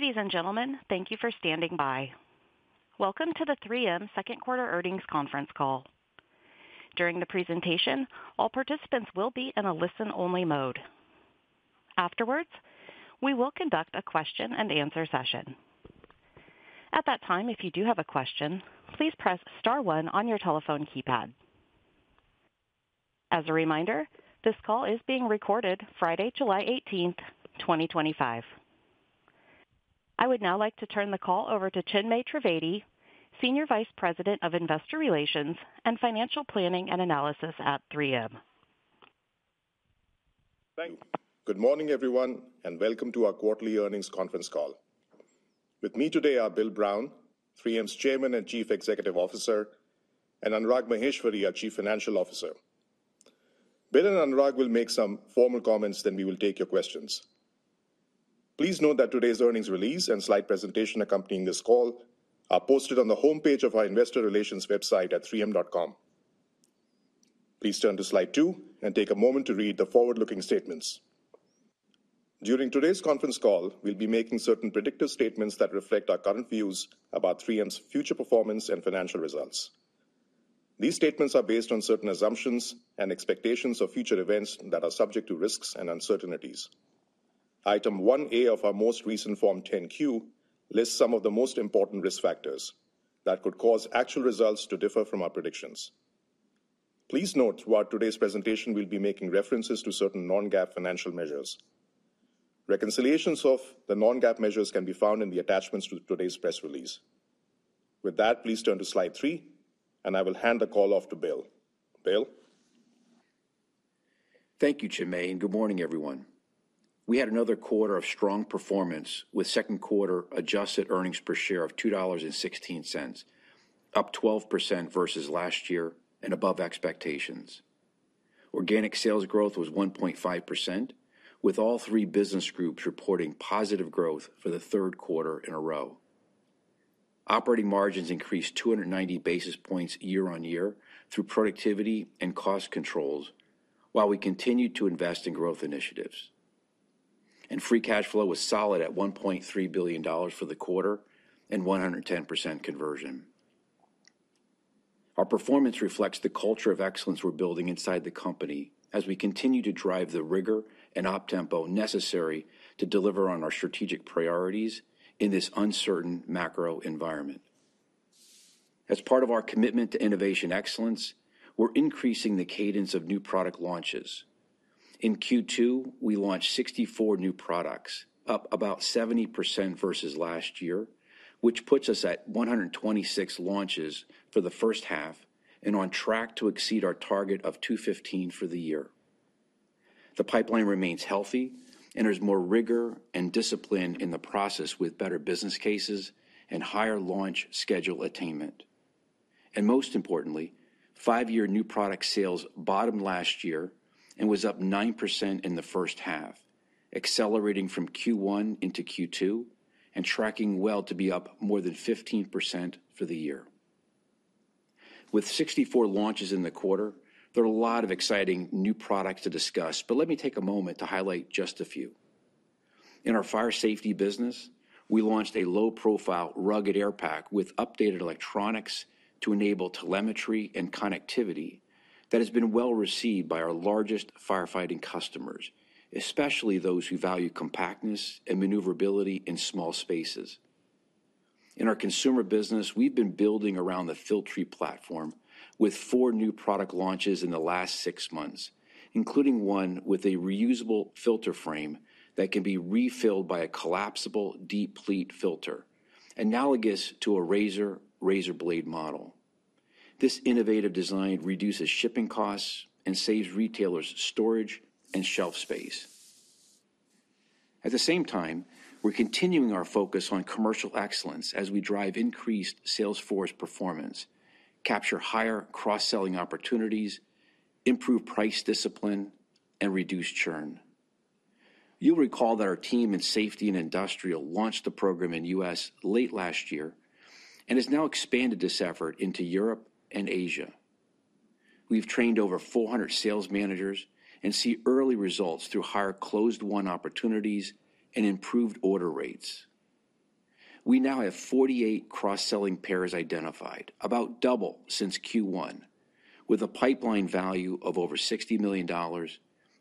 Ladies and gentlemen, thank you for standing by. Welcome to the 3M Second Quarter Earnings Conference call. During the presentation, all participants will be in a listen-only mode. Afterwards, we will conduct a question-and-answer session. At that time, if you do have a question, please press star one on your telephone keypad. As a reminder, this call is being recorded Friday, July 18th, 2025. I would now like to turn the call over to Chinmay Trivedi, Senior Vice President of Investor Relations and Financial Planning and Analysis at 3M. Thank you. Good morning, everyone, and welcome to our quarterly earnings conference call. With me today are Bill Brown, 3M's Chairman and Chief Executive Officer, and Anurag Maheshwari, our Chief Financial Officer. Bill and Anurag will make some formal comments, then we will take your questions. Please note that today's earnings release and slide presentation accompanying this call are posted on the homepage of our Investor Relations website at 3m.com. Please turn to slide two and take a moment to read the forward-looking statements. During today's conference call, we'll be making certain predictive statements that reflect our current views about 3M's future performance and financial results. These statements are based on certain assumptions and expectations of future events that are subject to risks and uncertainties. Item 1A of our most recent Form 10-Q lists some of the most important risk factors that could cause actual results to differ from our predictions. Please note throughout today's presentation, we'll be making references to certain non-GAAP financial measures. Reconciliations of the non-GAAP measures can be found in the attachments to today's press release. With that, please turn to slide three, and I will hand the call off to Bill. Bill? Thank you, Chinmay. Good morning, everyone. We had another quarter of strong performance with second-quarter adjusted earnings per share of $2.16, up 12% versus last year and above expectations. Organic sales growth was 1.5%, with all three business groups reporting positive growth for the third quarter in a row. Operating margins increased 290 basis points year-on-year through productivity and cost controls, while we continued to invest in growth initiatives. Free cash flow was solid at $1.3 billion for the quarter and 110% conversion. Our performance reflects the culture of excellence we're building inside the company as we continue to drive the rigor and opt-ampo necessary to deliver on our strategic priorities in this uncertain macro environment. As part of our commitment to innovation excellence, we're increasing the cadence of new product launches. In Q2, we launched 64 new products, up about 70% versus last year, which puts us at 126 launches for the first half and on track to exceed our target of 215 for the year. The pipeline remains healthy, and there's more rigor and discipline in the process with better business cases and higher launch schedule attainment. Most importantly, five-year new product sales bottomed last year and was up 9% in the first half, accelerating from Q1 into Q2 and tracking well to be up more than 15% for the year. With 64 launches in the quarter, there are a lot of exciting new products to discuss, but let me take a moment to highlight just a few. In our fire safety business, we launched a low-profile rugged air pack with updated electronics to enable telemetry and connectivity that has been well received by our largest firefighting customers, especially those who value compactness and maneuverability in small spaces. In our consumer business, we've been building around the Filtree platform with four new product launches in the last six months, including one with a reusable filter frame that can be refilled by a collapsible deep pleat filter, analogous to a razor blade model. This innovative design reduces shipping costs and saves retailers storage and shelf space. At the same time, we're continuing our focus on commercial excellence as we drive increased Salesforce performance, capture higher cross-selling opportunities, improve price discipline, and reduce churn. You'll recall that our team in safety and industrial launched the program in the U.S. late last year and has now expanded this effort into Europe and Asia. We've trained over 400 sales managers and see early results through higher closed-won opportunities and improved order rates. We now have 48 cross-selling pairs identified, about double since Q1, with a pipeline value of over $60 million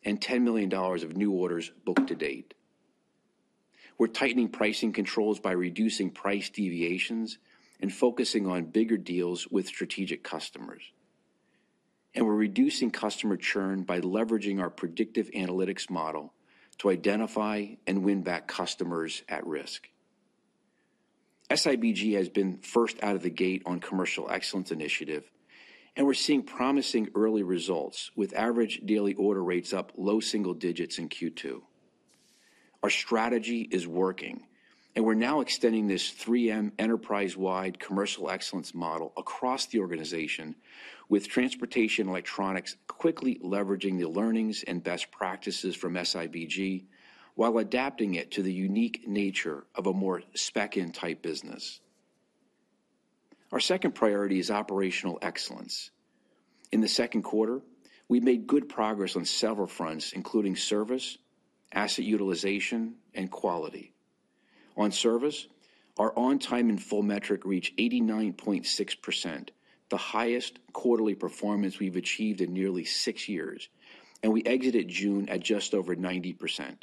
and $10 million of new orders booked to date. We're tightening pricing controls by reducing price deviations and focusing on bigger deals with strategic customers. We're reducing customer churn by leveraging our predictive analytics model to identify and win back customers at risk. SIBG has been first out of the gate on the commercial excellence initiative, and we're seeing promising early results with average daily order rates up low single digits in Q2. Our strategy is working, and we're now extending this 3M enterprise-wide commercial excellence model across the organization, with transportation electronics quickly leveraging the learnings and best practices from SIBG while adapting it to the unique nature of a more spec-in type business. Our second priority is operational excellence. In the second quarter, we made good progress on several fronts, including service, asset utilization, and quality. On service, our on-time and in-full metric reached 89.6%, the highest quarterly performance we've achieved in nearly six years, and we exited June at just over 90%.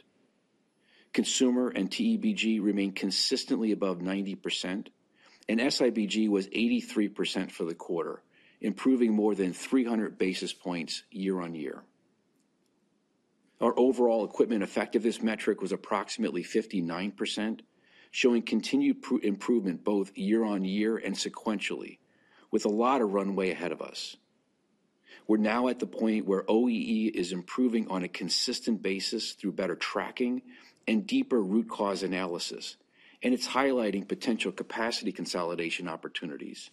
Consumer and TEBG remained consistently above 90%. SIBG was 83% for the quarter, improving more than 300 basis points year-on-year. Our overall equipment effectiveness metric was approximately 59%, showing continued improvement both year-on-year and sequentially, with a lot of runway ahead of us. We're now at the point where OEE is improving on a consistent basis through better tracking and deeper root cause analysis, and it's highlighting potential capacity consolidation opportunities.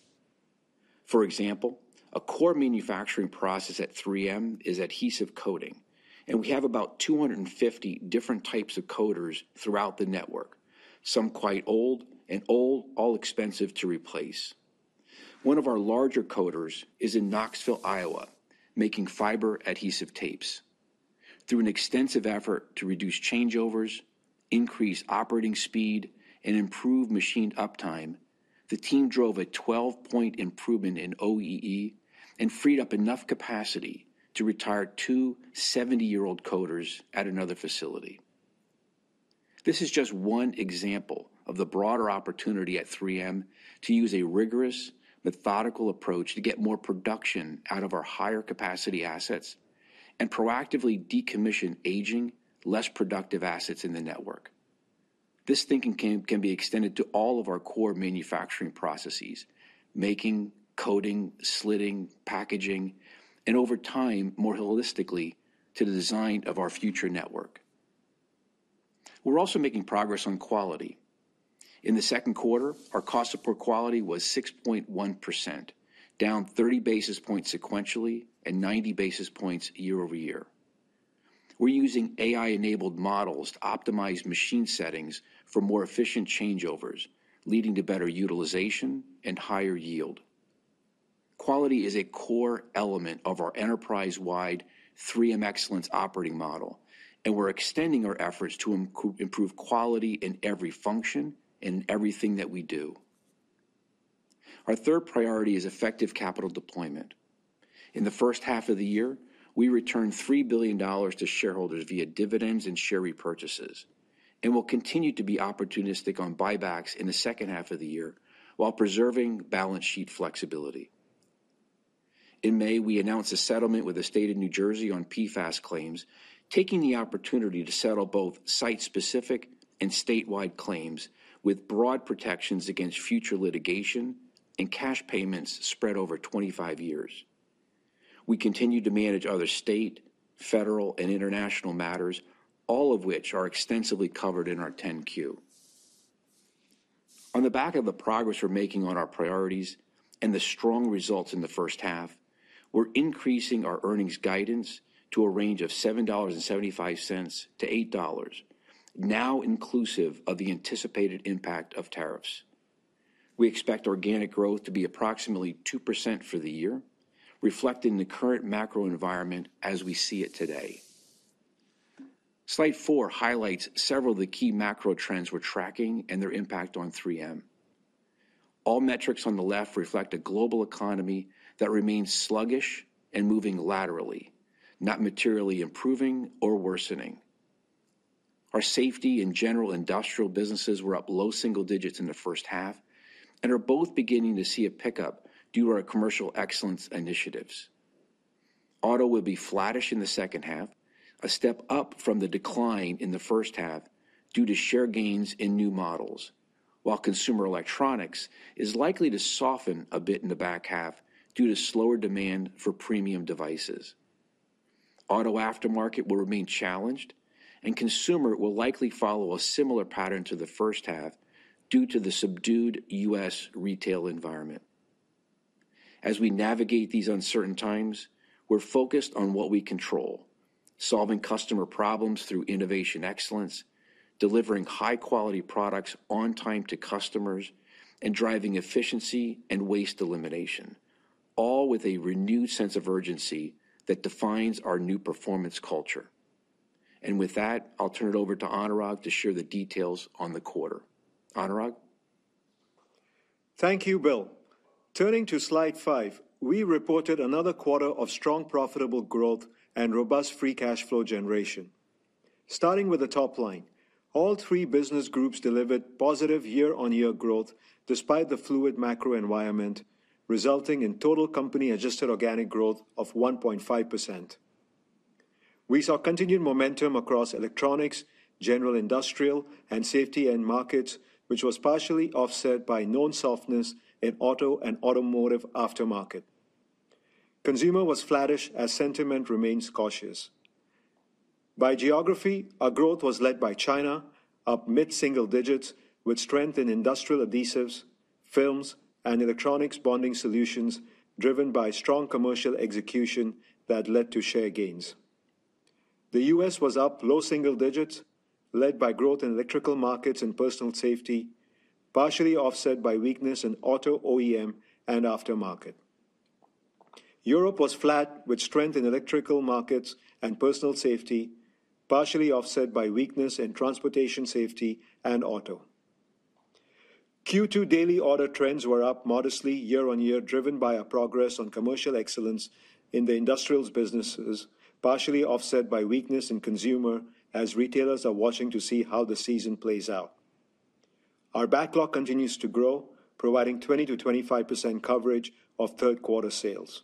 For example, a core manufacturing process at 3M is adhesive coating, and we have about 250 different types of coaters throughout the network, some quite old and all expensive to replace. One of our larger coaters is in Knoxville, Iowa, making fiber adhesive tapes. Through an extensive effort to reduce changeovers, increase operating speed, and improve machine uptime, the team drove a 12-point improvement in OEE and freed up enough capacity to retire two 70-year-old coaters at another facility. This is just one example of the broader opportunity at 3M to use a rigorous, methodical approach to get more production out of our higher capacity assets and proactively decommission aging, less productive assets in the network. This thinking can be extended to all of our core manufacturing processes, making, coating, slitting, packaging, and over time, more holistically, to the design of our future network. We're also making progress on quality. In the second quarter, our cost support quality was 6.1%, down 30 basis points sequentially and 90 basis points year-over-year. We're using AI-enabled models to optimize machine settings for more efficient changeovers, leading to better utilization and higher yield. Quality is a core element of our enterprise-wide 3M excellence operating model, and we're extending our efforts to improve quality in every function and everything that we do. Our third priority is effective capital deployment. In the first half of the year, we returned $3 billion to shareholders via dividends and share repurchases, and we'll continue to be opportunistic on buybacks in the second half of the year while preserving balance sheet flexibility. In May, we announced a settlement with the state of New Jersey on PFAS claims, taking the opportunity to settle both site-specific and statewide claims with broad protections against future litigation and cash payments spread over 25 years. We continue to manage other state, federal, and international matters, all of which are extensively covered in our 10-Q. On the back of the progress we're making on our priorities and the strong results in the first half, we're increasing our earnings guidance to a range of $7.75-$8.00. Now inclusive of the anticipated impact of tariffs. We expect organic growth to be approximately 2% for the year, reflecting the current macro environment as we see it today. Slide four highlights several of the key macro trends we're tracking and their impact on 3M. All metrics on the left reflect a global economy that remains sluggish and moving laterally, not materially improving or worsening. Our safety and general industrial businesses were up low single digits in the first half and are both beginning to see a pickup due to our commercial excellence initiatives. Auto will be flattish in the second half, a step up from the decline in the first half due to share gains in new models, while consumer electronics is likely to soften a bit in the back half due to slower demand for premium devices. Auto aftermarket will remain challenged, and consumer will likely follow a similar pattern to the first half due to the subdued U.S. retail environment. As we navigate these uncertain times, we're focused on what we control, solving customer problems through innovation excellence, delivering high-quality products on time to customers, and driving efficiency and waste elimination, all with a renewed sense of urgency that defines our new performance culture. With that, I'll turn it over to Anurag to share the details on the quarter. Anurag. Thank you, Bill. Turning to slide five, we reported another quarter of strong profitable growth and robust free cash flow generation. Starting with the top line, all three business groups delivered positive year-on-year growth despite the fluid macro environment, resulting in total company-adjusted organic growth of 1.5%. We saw continued momentum across electronics, general industrial, and safety end markets, which was partially offset by known softness in auto and automotive aftermarket. Consumer was flattish as sentiment remains cautious. By geography, our growth was led by China, up mid-single digits, with strength in industrial adhesives, films, and electronics bonding solutions driven by strong commercial execution that led to share gains. The U.S. was up low single digits, led by growth in electrical markets and personal safety, partially offset by weakness in auto, OEM, and aftermarket. Europe was flat, with strength in electrical markets and personal safety, partially offset by weakness in transportation safety and auto. Q2 daily order trends were up modestly year-on-year, driven by our progress on commercial excellence in the industrials businesses, partially offset by weakness in consumer as retailers are watching to see how the season plays out. Our backlog continues to grow, providing 20-25% coverage of third-quarter sales.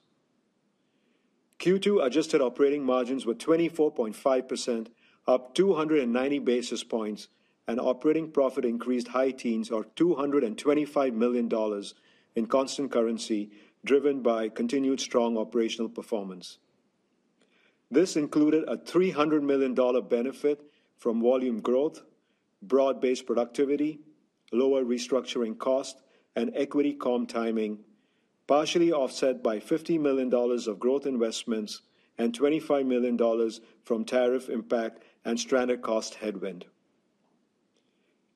Q2 adjusted operating margins were 24.5%, up 290 basis points, and operating profit increased high teens or $225 million. In constant currency, driven by continued strong operational performance. This included a $300 million benefit from volume growth, broad-based productivity, lower restructuring cost, and equity calm timing, partially offset by $50 million of growth investments and $25 million from tariff impact and stranded cost headwind.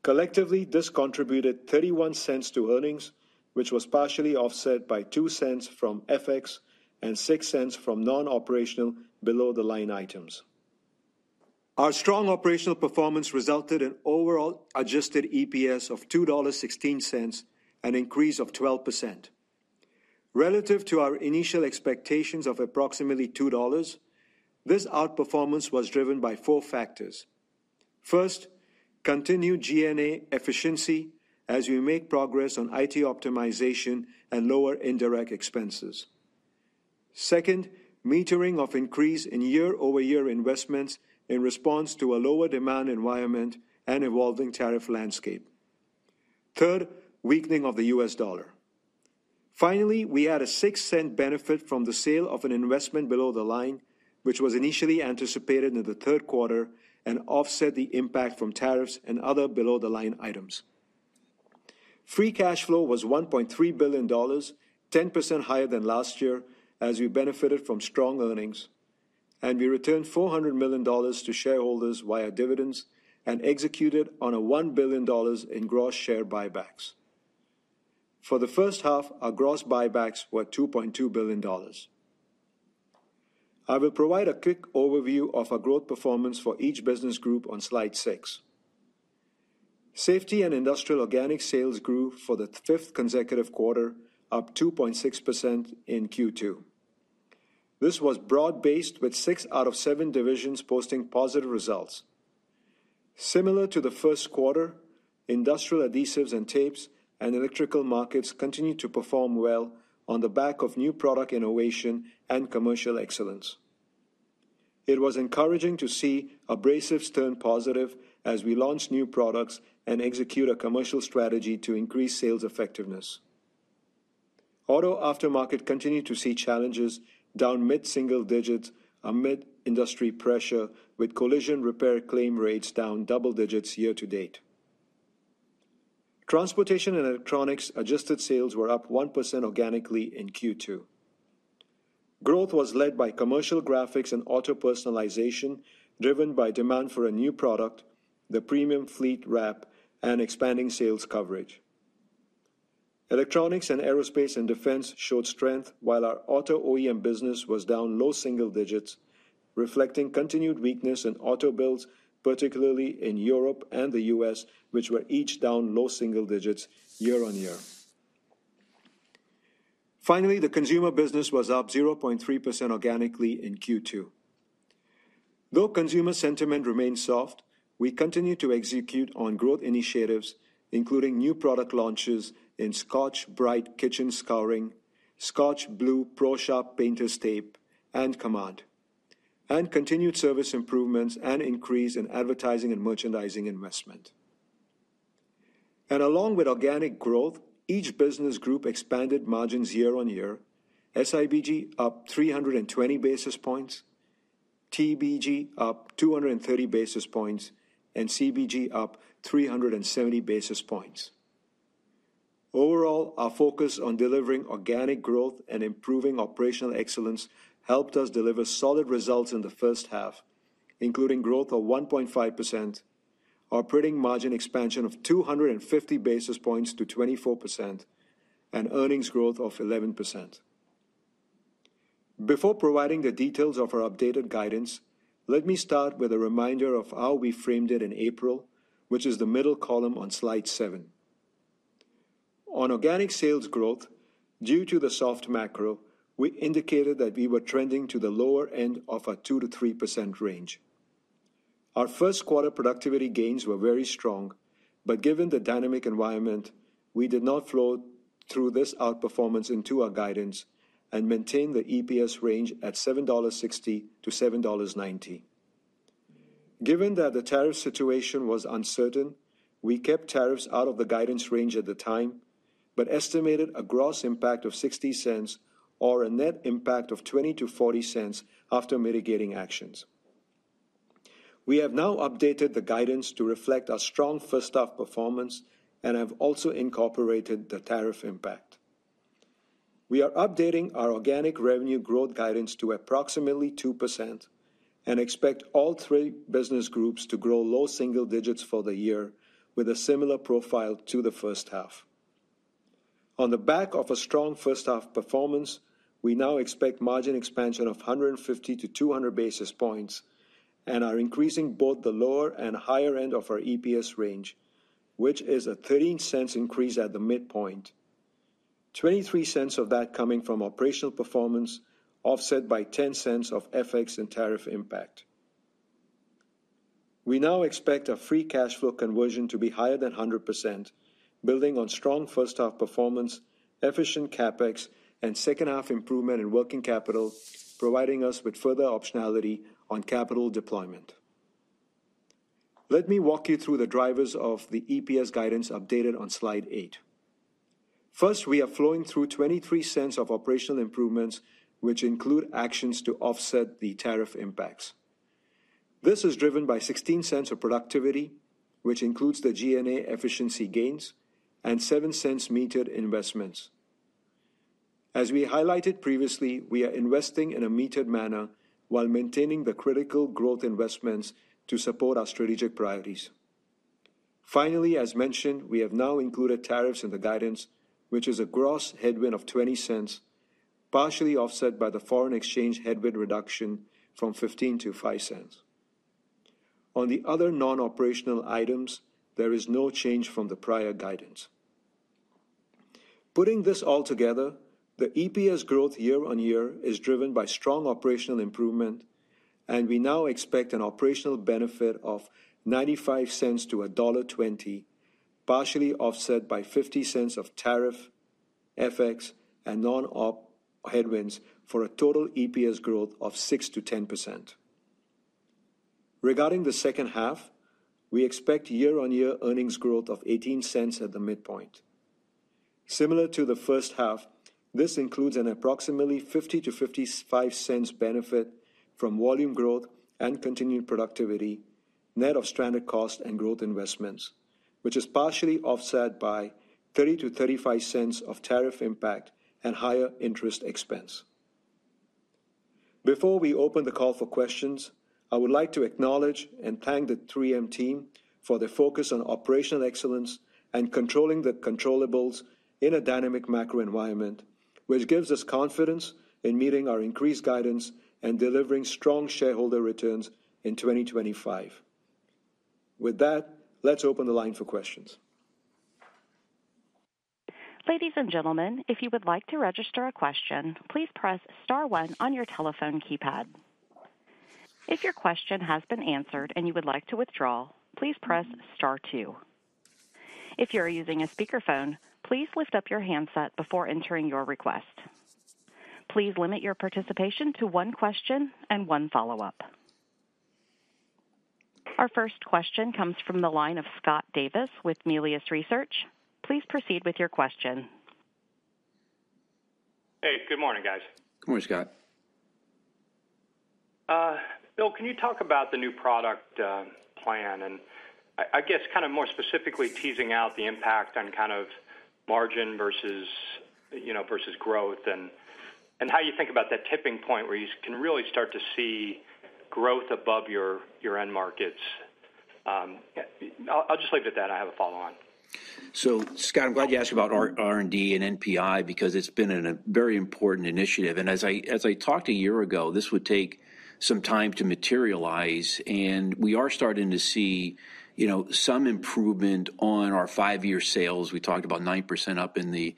Collectively, this contributed $0.31 to earnings, which was partially offset by $0.02 from FX and $0.06 from non-operational below-the-line items. Our strong operational performance resulted in overall adjusted EPS of $2.16, an increase of 12%. Relative to our initial expectations of approximately $2. This outperformance was driven by four factors. First. Continued G&A efficiency as we make progress on IT optimization and lower indirect expenses. Second, metering of increase in year-over-year investments in response to a lower demand environment and evolving tariff landscape. Third, weakening of the U.S. dollar. Finally, we had a $0.06 benefit from the sale of an investment below the line, which was initially anticipated in the third quarter and offset the impact from tariffs and other below-the-line items. Free cash flow was $1.3 billion, 10% higher than last year as we benefited from strong earnings, and we returned $400 million to shareholders via dividends and executed on a $1 billion in gross share buybacks. For the first half, our gross buybacks were $2.2 billion. I will provide a quick overview of our growth performance for each business group on slide six. Safety and industrial organic sales grew for the fifth consecutive quarter, up 2.6% in Q2. This was broad-based, with six out of seven divisions posting positive results. Similar to the first quarter, industrial adhesives and tapes and electrical markets continued to perform well on the back of new product innovation and commercial excellence. It was encouraging to see abrasives turn positive as we launched new products and executed a commercial strategy to increase sales effectiveness. Auto aftermarket continued to see challenges, down mid-single digits amid industry pressure, with collision repair claim rates down double digits year-to-date. Transportation and electronics adjusted sales were up 1% organically in Q2. Growth was led by commercial graphics and auto personalization driven by demand for a new product, the premium fleet wrap and expanding sales coverage. Electronics and aerospace and defense showed strength while our auto OEM business was down low single digits, reflecting continued weakness in auto builds, particularly in Europe and the U.S., which were each down low single digits year-on-year. Finally, the consumer business was up 0.3% organically in Q2. Though consumer sentiment remained soft, we continued to execute on growth initiatives, including new product launches in Scotch-Brite kitchen scouring, Scotch-Blue Pro Shop painter's tape, and Command, and continued service improvements and increase in advertising and merchandising investment. Along with organic growth, each business group expanded margins year-on-year, SIBG up 320 basis points, TBG up 230 basis points, and CBG up 370 basis points. Overall, our focus on delivering organic growth and improving operational excellence helped us deliver solid results in the first half, including growth of 1.5%, operating margin expansion of 250 basis points to 24%, and earnings growth of 11%. Before providing the details of our updated guidance, let me start with a reminder of how we framed it in April, which is the middle column on slide seven. On organic sales growth, due to the soft macro, we indicated that we were trending to the lower end of a 2-3% range. Our first-quarter productivity gains were very strong, but given the dynamic environment, we did not flow through this outperformance into our guidance and maintained the EPS range at $7.60-$7.90. Given that the tariff situation was uncertain, we kept tariffs out of the guidance range at the time but estimated a gross impact of $0.60 or a net impact of $0.20-$0.40 after mitigating actions. We have now updated the guidance to reflect our strong first-half performance and have also incorporated the tariff impact. We are updating our organic revenue growth guidance to approximately 2% and expect all three business groups to grow low single digits for the year with a similar profile to the first half. On the back of a strong first-half performance, we now expect margin expansion of 150-200 basis points and are increasing both the lower and higher end of our EPS range, which is a $0.13 increase at the midpoint, $0.23 of that coming from operational performance, offset by $0.10 of FX and tariff impact. We now expect a free cash flow conversion to be higher than 100%, building on strong first-half performance, efficient CapEx, and second-half improvement in working capital, providing us with further optionality on capital deployment. Let me walk you through the drivers of the EPS guidance updated on slide eight. First, we are flowing through $0.23 of operational improvements, which include actions to offset the tariff impacts. This is driven by $0.16 of productivity, which includes the G&A efficiency gains, and $0.07 metered investments. As we highlighted previously, we are investing in a metered manner while maintaining the critical growth investments to support our strategic priorities. Finally, as mentioned, we have now included tariffs in the guidance, which is a gross headwind of $0.20, partially offset by the foreign exchange headwind reduction from $0.15 to $0.05. On the other non-operational items, there is no change from the prior guidance. Putting this all together, the EPS growth year-on-year is driven by strong operational improvement, and we now expect an operational benefit of $0.95-$1.20, partially offset by $0.50 of tariff, FX, and non-op headwinds for a total EPS growth of 6%-10%. Regarding the second half, we expect year-on-year earnings growth of $0.18 at the midpoint. Similar to the first half, this includes an approximately $0.50-$0.55 benefit from volume growth and continued productivity, net of stranded cost and growth investments, which is partially offset by $0.30-$0.35 of tariff impact and higher interest expense. Before we open the call for questions, I would like to acknowledge and thank the 3M team for their focus on operational excellence and controlling the controllable in a dynamic macro environment, which gives us confidence in meeting our increased guidance and delivering strong shareholder returns in 2025. With that, let's open the line for questions. Ladies and gentlemen, if you would like to register a question, please press star one on your telephone keypad. If your question has been answered and you would like to withdraw, please press star two. If you are using a speakerphone, please lift up your handset before entering your request. Please limit your participation to one question and one follow-up. Our first question comes from the line of Scott Davis with Melius Research. Please proceed with your question. Hey, good morning, guys. Good morning, Scott. Bill, can you talk about the new product plan and, I guess, kind of more specifically teasing out the impact on kind of margin versus growth and how you think about that tipping point where you can really start to see growth above your end markets? I'll just leave it at that. I have a follow-on. Scott, I'm glad you asked about R&D and NPI because it's been a very important initiative. As I talked a year ago, this would take some time to materialize. We are starting to see some improvement on our five-year sales. We talked about 9% up in the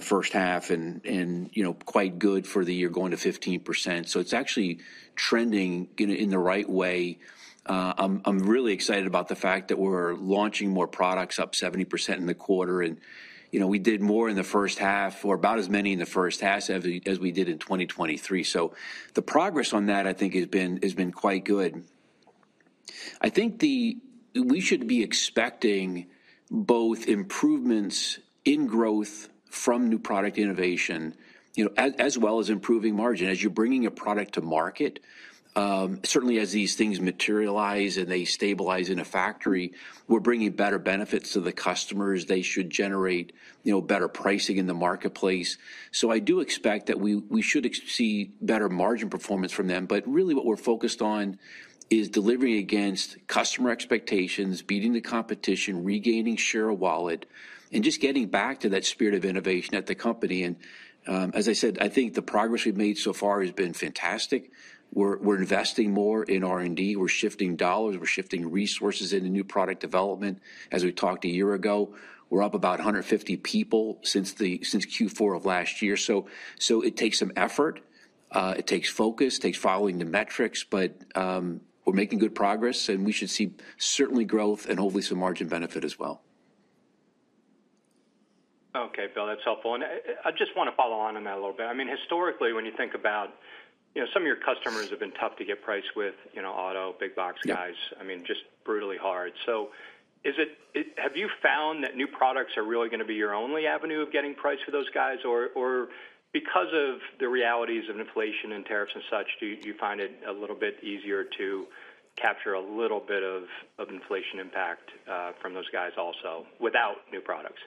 first half and quite good for the year going to 15%. It's actually trending in the right way. I'm really excited about the fact that we're launching more products, up 70% in the quarter. We did more in the first half, or about as many in the first half as we did in 2023. The progress on that, I think, has been quite good. I think we should be expecting both improvements in growth from new product innovation as well as improving margin as you're bringing a product to market. Certainly, as these things materialize and they stabilize in a factory, we're bringing better benefits to the customers. They should generate better pricing in the marketplace. I do expect that we should see better margin performance from them. What we're focused on is delivering against customer expectations, beating the competition, regaining share of wallet, and just getting back to that spirit of innovation at the company. As I said, I think the progress we've made so far has been fantastic. We're investing more in R&D. We're shifting dollars. We're shifting resources into new product development. As we talked a year ago, we're up about 150 people since Q4 of last year. It takes some effort. It takes focus. It takes following the metrics. We're making good progress, and we should see certainly growth and hopefully some margin benefit as well. Okay, Bill, that's helpful. I just want to follow on on that a little bit. I mean, historically, when you think about some of your customers have been tough to get price with, auto, big box guys, I mean, just brutally hard. Have you found that new products are really going to be your only avenue of getting price for those guys? Or because of the realities of inflation and tariffs and such, do you find it a little bit easier to capture a little bit of inflation impact from those guys also without new products?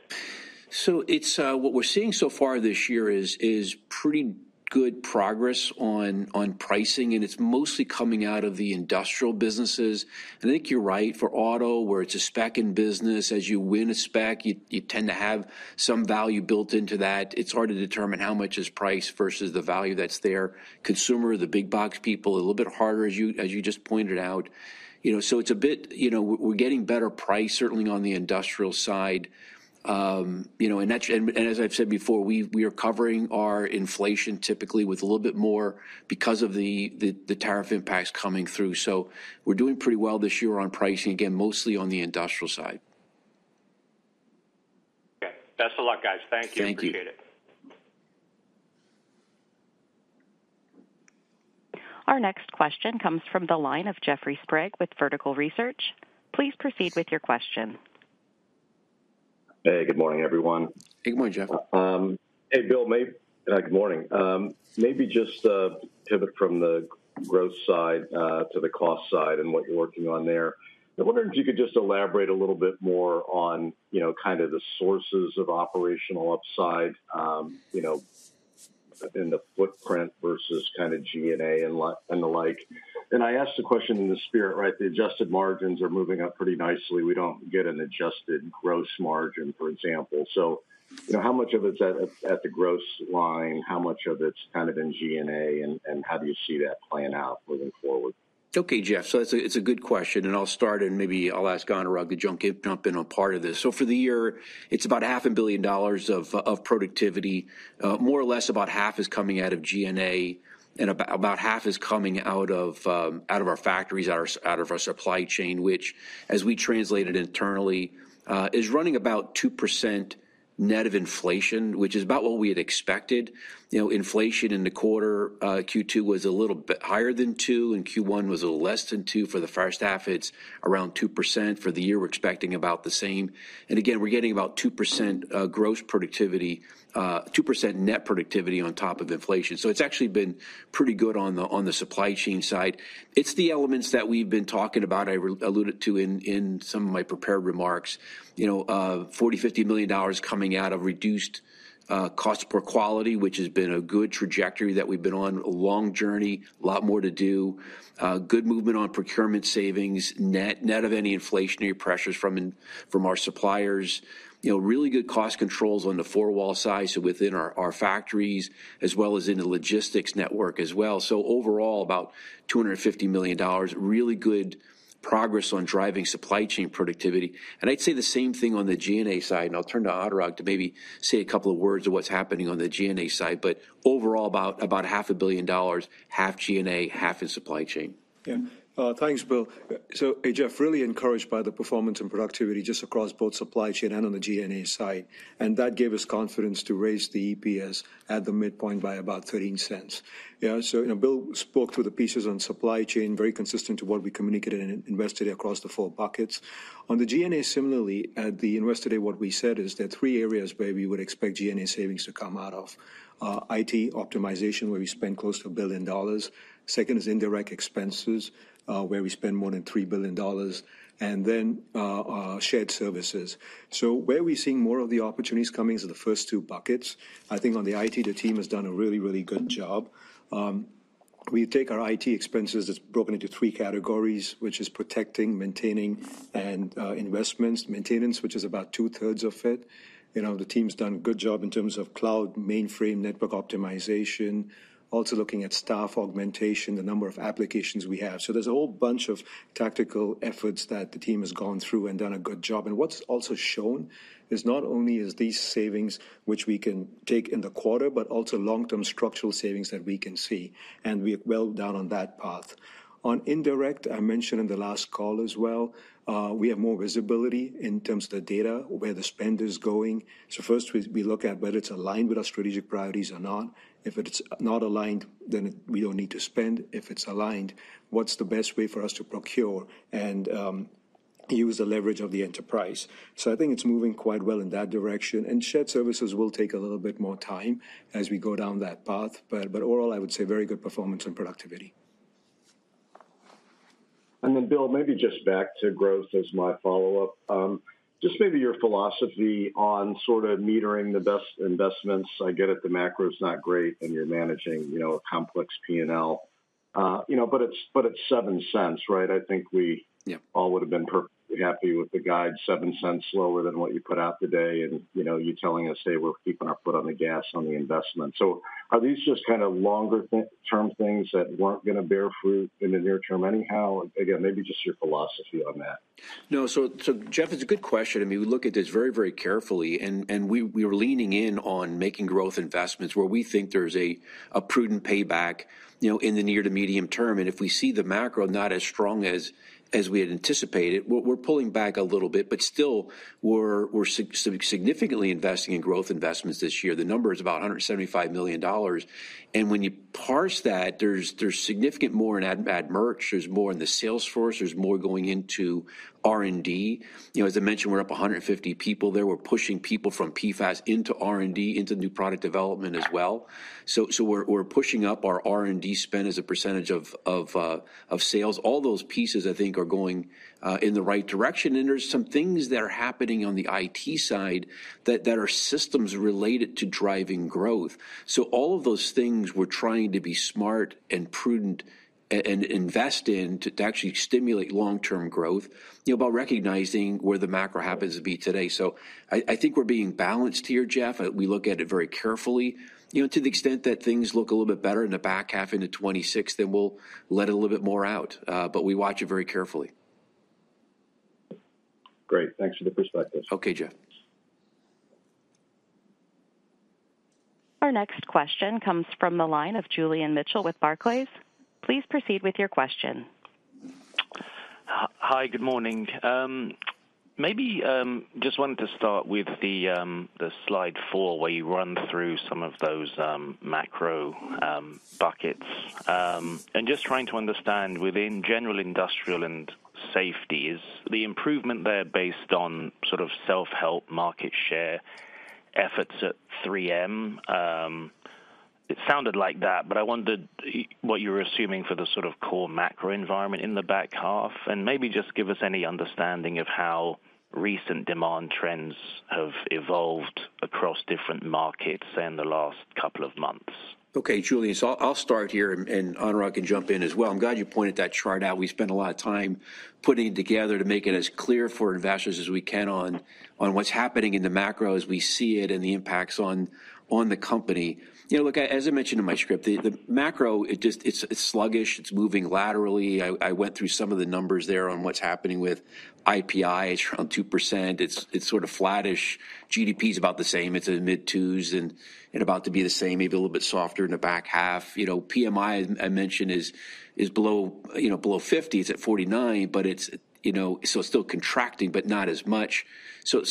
What we're seeing so far this year is pretty good progress on pricing, and it's mostly coming out of the industrial businesses. I think you're right for auto, where it's a spec-in business. As you win a spec, you tend to have some value built into that. It's hard to determine how much is price versus the value that's there. Consumer, the big box people, a little bit harder, as you just pointed out. It's a bit we're getting better price, certainly on the industrial side. As I've said before, we are covering our inflation typically with a little bit more because of the tariff impacts coming through. We're doing pretty well this year on pricing, again, mostly on the industrial side. Okay. Best of luck, guys. Thank you. Thank you. Appreciate it. Our next question comes from the line of Jeffrey Sprague with Vertical Research. Please proceed with your question. Hey, good morning, everyone. Hey, good morning, Jeff. Hey, Bill. Good morning. Maybe just pivot from the growth side to the cost side and what you're working on there. I'm wondering if you could just elaborate a little bit more on kind of the sources of operational upside. In the footprint versus kind of G&A and the like. I ask the question in the spirit, right? The adjusted margins are moving up pretty nicely. We don't get an adjusted gross margin, for example. How much of it's at the gross line? How much of it's kind of in G&A? How do you see that playing out moving forward? Okay, Jeff. It's a good question. I'll start, and maybe I'll ask Gunn or I'll jump in on part of this. For the year, it's about $500,000,000 of productivity. More or less about half is coming out of G&A, and about half is coming out of our factories, out of our supply chain, which, as we translated internally, is running about 2% net of inflation, which is about what we had expected. Inflation in the quarter, Q2 was a little bit higher than 2%, and Q1 was a little less than 2%. For the first half, it's around 2%. For the year, we're expecting about the same. Again, we're getting about 2% gross productivity, 2% net productivity on top of inflation. It's actually been pretty good on the supply chain side. It's the elements that we've been talking about. I alluded to in some of my prepared remarks. $40,000,000-$50,000,000 coming out of reduced cost per quality, which has been a good trajectory that we've been on, a long journey, a lot more to do. Good movement on procurement savings, net of any inflationary pressures from our suppliers. Really good cost controls on the four-wall side within our factories, as well as in the logistics network as well. Overall, about $250,000,000. Really good progress on driving supply chain productivity. I'd say the same thing on the G&A side. I'll turn to Anurag to maybe say a couple of words of what's happening on the G&A side. Overall, about $500,000,000, half G&A, half in supply chain. Yeah. Thanks, Bill. Hey, Jeff, really encouraged by the performance and productivity just across both supply chain and on the G&A side. That gave us confidence to raise the EPS at the midpoint by about $0.13. Bill spoke through the pieces on supply chain, very consistent to what we communicated and invested across the four buckets. On the G&A, similarly, at the investor day, what we said is there are three areas where we would expect G&A savings to come out of: IT optimization, where we spend close to $1 billion; second is indirect expenses, where we spend more than $3 billion; and then shared services. Where we're seeing more of the opportunities coming is the first two buckets. I think on the IT, the team has done a really, really good job. We take our IT expenses, it's broken into three categories, which is protecting, maintaining, and investments. Maintenance, which is about two-thirds of it. The team's done a good job in terms of cloud, mainframe, network optimization, also looking at staff augmentation, the number of applications we have. There's a whole bunch of tactical efforts that the team has gone through and done a good job. What's also shown is not only are these savings, which we can take in the quarter, but also long-term structural savings that we can see. We're well down on that path. On indirect, I mentioned in the last call as well, we have more visibility in terms of the data, where the spend is going. First, we look at whether it's aligned with our strategic priorities or not. If it's not aligned, then we don't need to spend. If it's aligned, what's the best way for us to procure and use the leverage of the enterprise? I think it's moving quite well in that direction. Shared services will take a little bit more time as we go down that path. Overall, I would say very good performance and productivity. Bill, maybe just back to growth as my follow-up. Just maybe your philosophy on sort of metering the best investments. I get it, the macro is not great, and you're managing a complex P&L. It's 7 cents, right? I think we all would have been perfectly happy with the guide, 7 cents slower than what you put out today, and you telling us, "Hey, we're keeping our foot on the gas on the investment." Are these just kind of longer-term things that weren't going to bear fruit in the near term anyhow? Again, maybe just your philosophy on that. No, so Jeff, it's a good question. I mean, we look at this very, very carefully, and we are leaning in on making growth investments where we think there's a prudent payback in the near to medium term. If we see the macro not as strong as we had anticipated, we're pulling back a little bit. Still, we're significantly investing in growth investments this year. The number is about $175 million. When you parse that, there's significantly more in ad merch. There's more in the sales force. There's more going into R&D. As I mentioned, we're up 150 people there. We're pushing people from PFAS into R&D, into new product development as well. We're pushing up our R&D spend as a percentage of sales. All those pieces, I think, are going in the right direction. There's some things that are happening on the IT side that are systems related to driving growth. All of those things we're trying to be smart and prudent and invest in to actually stimulate long-term growth by recognizing where the macro happens to be today. I think we're being balanced here, Jeff. We look at it very carefully. To the extent that things look a little bit better in the back half into 2026, then we'll let a little bit more out. We watch it very carefully. Great. Thanks for the perspective. Okay, Jeff. Our next question comes from the line of Julian Mitchell with Barclays. Please proceed with your question. Hi, good morning. Maybe just wanted to start with the slide four, where you run through some of those macro buckets? Just trying to understand within general industrial and safeties, the improvement there based on sort of self-help market share efforts at 3M. It sounded like that, but I wondered what you were assuming for the sort of core macro environment in the back half, and maybe just give us any understanding of how recent demand trends have evolved across different markets in the last couple of months? Okay, Julian, so I'll start here, and Anurag can jump in as well. I'm glad you pointed that chart out. We spent a lot of time putting it together to make it as clear for investors as we can on what's happening in the macro as we see it and the impacts on the company. Look, as I mentioned in my script, the macro, it's sluggish. It's moving laterally. I went through some of the numbers there on what's happening with IPI. It's around 2%. It's sort of flattish. GDP is about the same. It's in the mid-twos and about to be the same, maybe a little bit softer in the back half. PMI, I mentioned, is below 50. It's at 49, but it's still contracting, but not as much.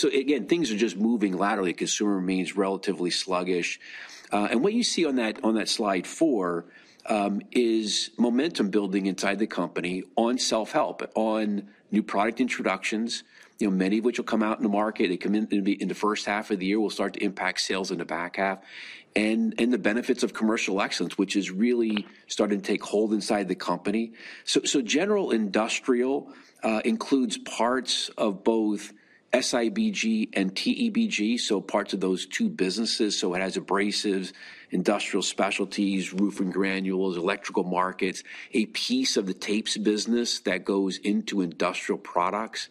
Again, things are just moving laterally. Consumer means relatively sluggish. What you see on that slide four is momentum building inside the company on self-help, on new product introductions, many of which will come out in the market. In the first half of the year, we'll start to impact sales in the back half and the benefits of commercial excellence, which is really starting to take hold inside the company. General industrial includes parts of both SIBG and TEBG, so parts of those two businesses. It has abrasives, industrial specialties, roof and granules, electrical markets, a piece of the tapes business that goes into industrial products.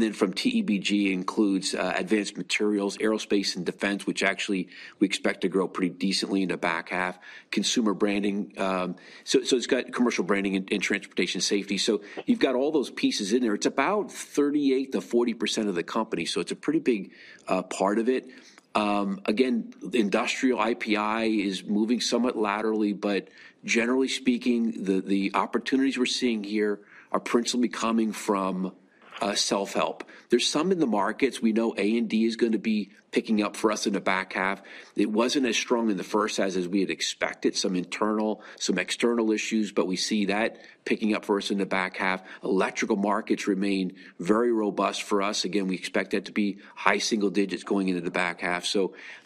Then from TEBG includes advanced materials, aerospace, and defense, which actually we expect to grow pretty decently in the back half. Consumer branding, so it's got commercial branding and transportation safety. You've got all those pieces in there. It's about 38-40% of the company. It's a pretty big part of it. Again, industrial IPI is moving somewhat laterally, but generally speaking, the opportunities we're seeing here are principally coming from self-help. There's some in the markets. We know A&D is going to be picking up for us in the back half. It wasn't as strong in the first half as we had expected, some internal, some external issues, but we see that picking up for us in the back half. Electrical markets remain very robust for us. Again, we expect that to be high single digits going into the back half.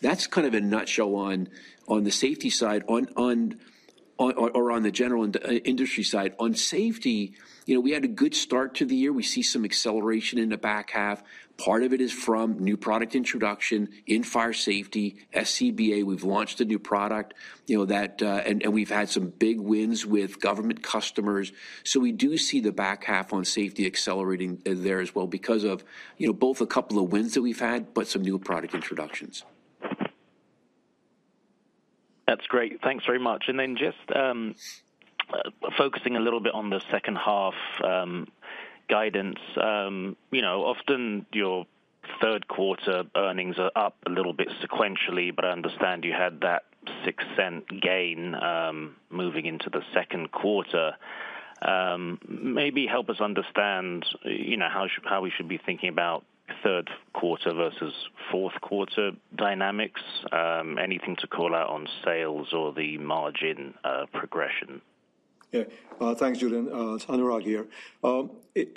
That's kind of a nutshell on the safety side or on the general industry side. On safety, we had a good start to the year. We see some acceleration in the back half. Part of it is from new product introduction, in-fire safety, SCBA. We've launched a new product. We've had some big wins with government customers. We do see the back half on safety accelerating there as well because of both a couple of wins that we've had, but some new product introductions. That's great. Thanks very much. Focusing a little bit on the second half, guidance. Often your third quarter earnings are up a little bit sequentially, but I understand you had that $0.06 gain moving into the second quarter. Maybe help us understand how we should be thinking about third quarter versus fourth quarter dynamics. Anything to call out on sales or the margin progression? Yeah. Thanks, Julian. It's Anurag here.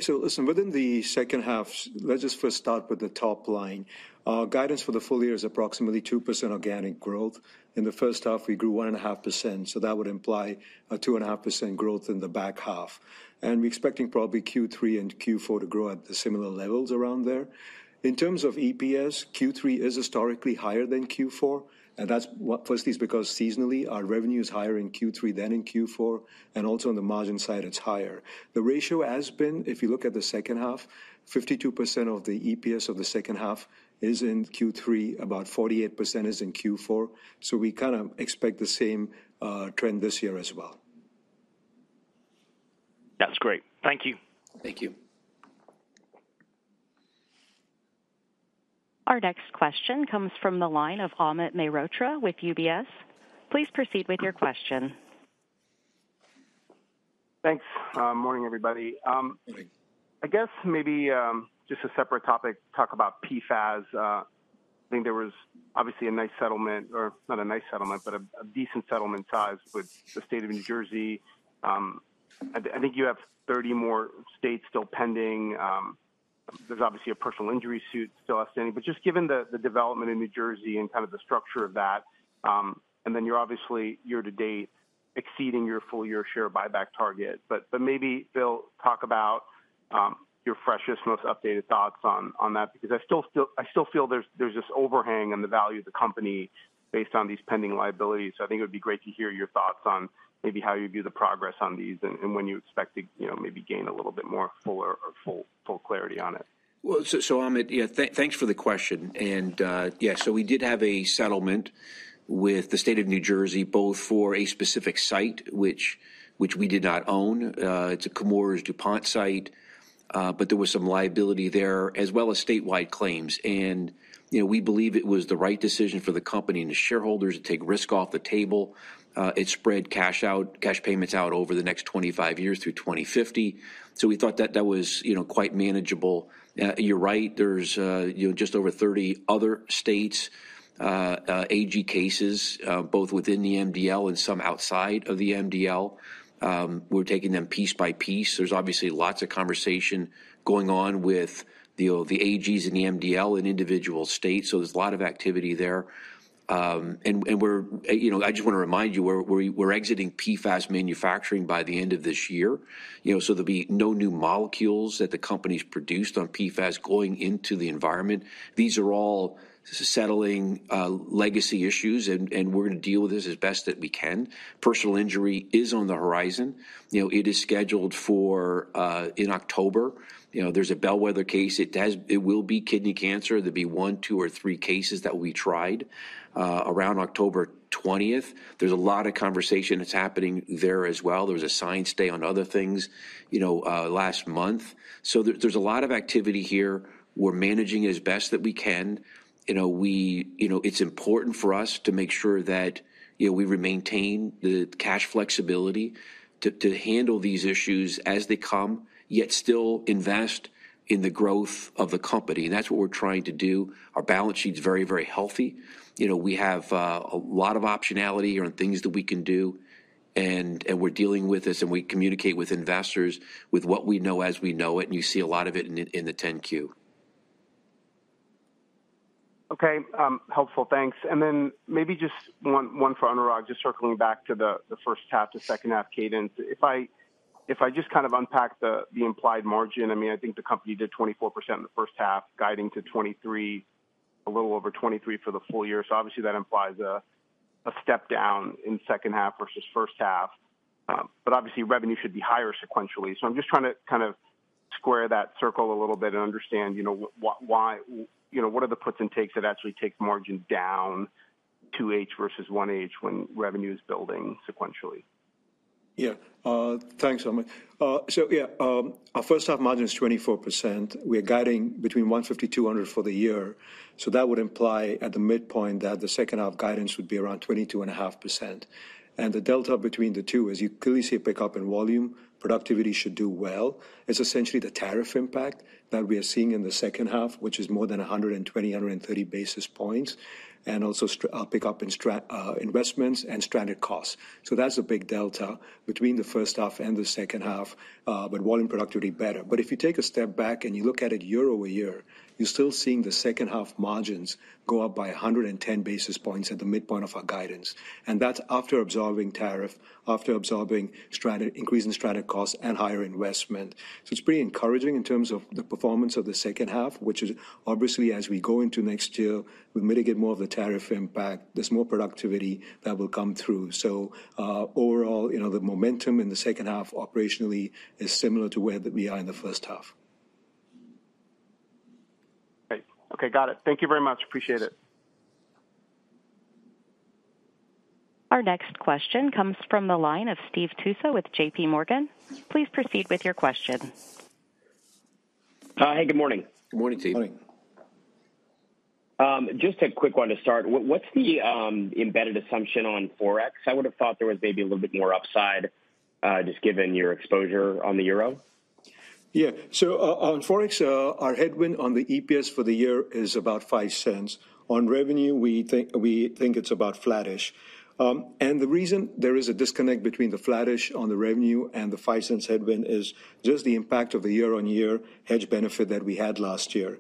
Listen, within the second half, let's just first start with the top line. Guidance for the full year is approximately 2% organic growth. In the first half, we grew 1.5%. That would imply a 2.5% growth in the back half. We're expecting probably Q3 and Q4 to grow at similar levels around there. In terms of EPS, Q3 is historically higher than Q4. That's mostly because seasonally, our revenue is higher in Q3 than in Q4. Also, on the margin side, it's higher. The ratio has been, if you look at the second half, 52% of the EPS of the second half is in Q3, about 48% is in Q4. We kind of expect the same trend this year as well. That's great. Thank you. Thank you. Our next question comes from the line of Amit Mehrotra with UBS. Please proceed with your question. Thanks. Morning, everybody. I guess maybe just a separate topic, talk about PFAS. I think there was obviously a nice settlement, or not a nice settlement, but a decent settlement size with the state of New Jersey. I think you have 30 more states still pending. There's obviously a personal injury suit still outstanding. Just given the development in New Jersey and kind of the structure of that. You're obviously year to date exceeding your full year share buyback target. Maybe, Bill, talk about your freshest, most updated thoughts on that because I still feel there's this overhang on the value of the company based on these pending liabilities. I think it would be great to hear your thoughts on maybe how you view the progress on these and when you expect to maybe gain a little bit more full clarity on it? Amit, yeah, thanks for the question. Yeah, we did have a settlement with the state of New Jersey, both for a specific site, which we did not own. It's a Chemours DuPont site. There was some liability there, as well as statewide claims. We believe it was the right decision for the company and the shareholders to take risk off the table. It spread cash payments out over the next 25 years through 2050. We thought that that was quite manageable. You're right. There are just over 30 other states' AG cases, both within the MDL and some outside of the MDL. We're taking them piece by piece. There are obviously lots of conversations going on with the AGs and the MDL in individual states. There's a lot of activity there. I just want to remind you, we're exiting PFAS manufacturing by the end of this year. There will be no new molecules that the company has produced on PFAS going into the environment. These are all settling legacy issues, and we're going to deal with this as best that we can. Personal injury is on the horizon. It is scheduled for October. There's a bellwether case. It will be kidney cancer. There will be one, two, or three cases that will be tried around October 20. There's a lot of conversation that's happening there as well. There was a science day on other things last month. There's a lot of activity here. We're managing it as best that we can. It's important for us to make sure that we maintain the cash flexibility to handle these issues as they come, yet still invest in the growth of the company. That's what we're trying to do. Our balance sheet is very, very healthy. We have a lot of optionality on things that we can do. We're dealing with this, and we communicate with investors with what we know as we know it, and you see a lot of it in the 10-Q. Okay. Helpful. Thanks. Maybe just one for Anurag, just circling back to the first half to second half cadence. If I just kind of unpack the implied margin, I mean, I think the company did 24% in the first half, guiding to 23, a little over 23% for the full year. Obviously, that implies a step down in second half versus first half. Obviously, revenue should be higher sequentially. I'm just trying to kind of square that circle a little bit and understand what are the puts and takes that actually take margin down 2H versus 1H when revenue is building sequentially? Yeah. Thanks, Amit. So yeah, our first half margin is 24%. We are guiding between 150-200 for the year. That would imply at the midpoint that the second half guidance would be around 22.5%. The delta between the two is you clearly see a pickup in volume. Productivity should do well. It's essentially the tariff impact that we are seeing in the second half, which is more than 120-130 basis points, and also a pickup in investments and stranded costs. That's a big delta between the first half and the second half, volume productivity better. If you take a step back and you look at it year over year, you're still seeing the second half margins go up by 110 basis points at the midpoint of our guidance. That's after absorbing tariff, after absorbing increase in stranded costs and higher investment. It's pretty encouraging in terms of the performance of the second half, which is obviously as we go into next year, we mitigate more of the tariff impact. There's more productivity that will come through. Overall, the momentum in the second half operationally is similar to where we are in the first half. Great. Okay. Got it. Thank you very much. Appreciate it. Our next question comes from the line of Steve Tusa with J.P. Morgan. Please proceed with your question. Hi, good morning. Good morning, Steve. Morning. Just a quick one to start. What's the embedded assumption on Forex? I would have thought there was maybe a little bit more upside. Just given your exposure on the euro. Yeah. On Forex, our headwind on the EPS for the year is about $0.05. On revenue, we think it's about flattish. The reason there is a disconnect between the flattish on the revenue and the $0.05 headwind is just the impact of the year-on-year hedge benefit that we had last year.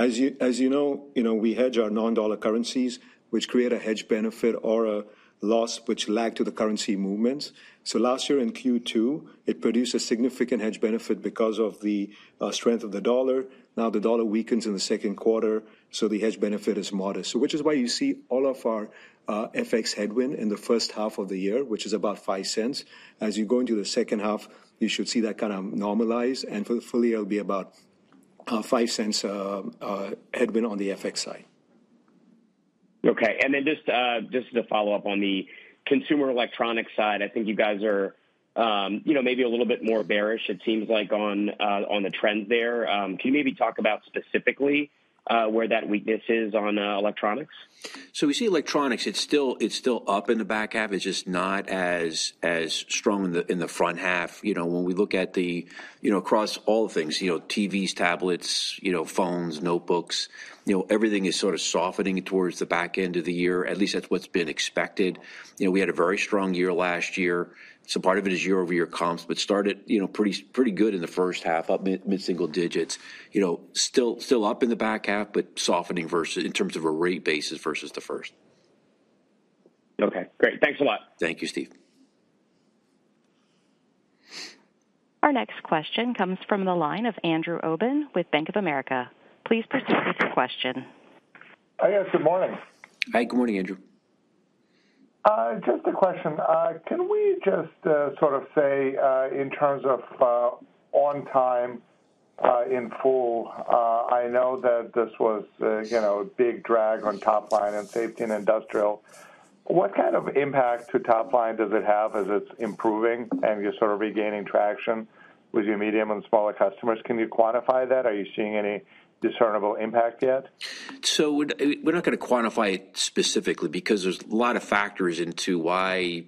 As you know, we hedge our non-dollar currencies, which create a hedge benefit or a loss which lags to the currency movements. Last year in Q2, it produced a significant hedge benefit because of the strength of the dollar. Now the dollar weakens in the second quarter, so the hedge benefit is modest. That is why you see all of our FX headwind in the first half of the year, which is about $0.05. As you go into the second half, you should see that kind of normalize. Fully, it'll be about $0.05 headwind on the FX side. Okay. And then just to follow up on the consumer electronics side, I think you guys are maybe a little bit more bearish, it seems like, on the trend there. Can you maybe talk about specifically where that weakness is on electronics? We see electronics, it's still up in the back half. It's just not as strong in the front half. When we look at the, across all things, TVs, tablets, phones, notebooks, everything is sort of softening towards the back end of the year. At least that's what's been expected. We had a very strong year last year. So part of it is year-over-year comps, but started pretty good in the first half, up mid-single digits. Still up in the back half, but softening in terms of a rate basis versus the first. Okay. Great. Thanks a lot. Thank you, Steve. Our next question comes from the line of Andrew Obin with Bank of America. Please proceed with your question. Hi, yes. Good morning. Hi. Good morning, Andrew. Just a question. Can we just sort of say in terms of on-time and in-full? I know that this was a big drag on top line in safety and industrial. What kind of impact to top line does it have as it's improving and you're sort of regaining traction with your medium and smaller customers? Can you quantify that? Are you seeing any discernible impact yet? We're not going to quantify it specifically because there's a lot of factors into why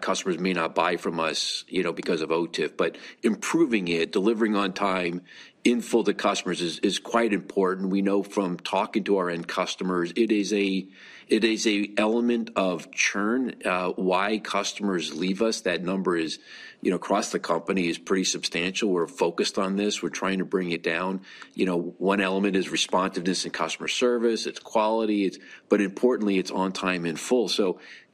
customers may not buy from us because of OTIF. Improving it, delivering on time in full to customers is quite important. We know from talking to our end customers, it is an element of churn, why customers leave us. That number across the company is pretty substantial. We're focused on this. We're trying to bring it down. One element is responsiveness and customer service. It's quality. Importantly, it's on time in full.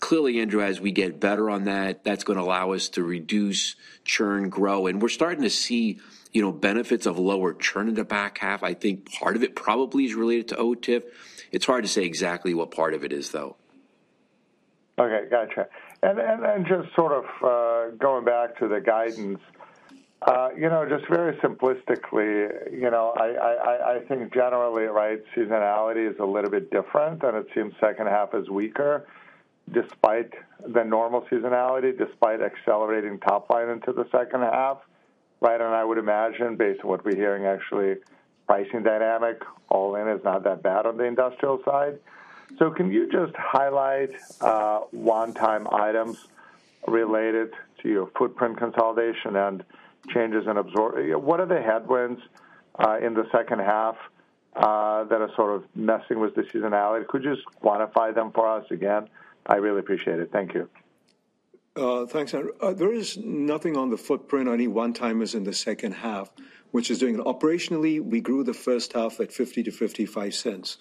Clearly, Andrew, as we get better on that, that's going to allow us to reduce churn, grow, and we're starting to see benefits of lower churn in the back half. I think part of it probably is related to OTIF. It's hard to say exactly what part of it is, though. Okay. Gotcha. Just sort of going back to the guidance. Just very simplistically, I think generally, right, seasonality is a little bit different, and it seems second half is weaker. Despite the normal seasonality, despite accelerating top line into the second half. Right? I would imagine, based on what we're hearing, actually, pricing dynamic all in is not that bad on the industrial side. Can you just highlight one-time items related to your footprint consolidation and changes in absorption? What are the headwinds in the second half that are sort of messing with the seasonality? Could you just quantify them for us again? I really appreciate it. Thank you. Thanks, Andrew. There is nothing on the footprint on any one-timers in the second half, which is doing it. Operationally, we grew the first half at $0.50-$0.55.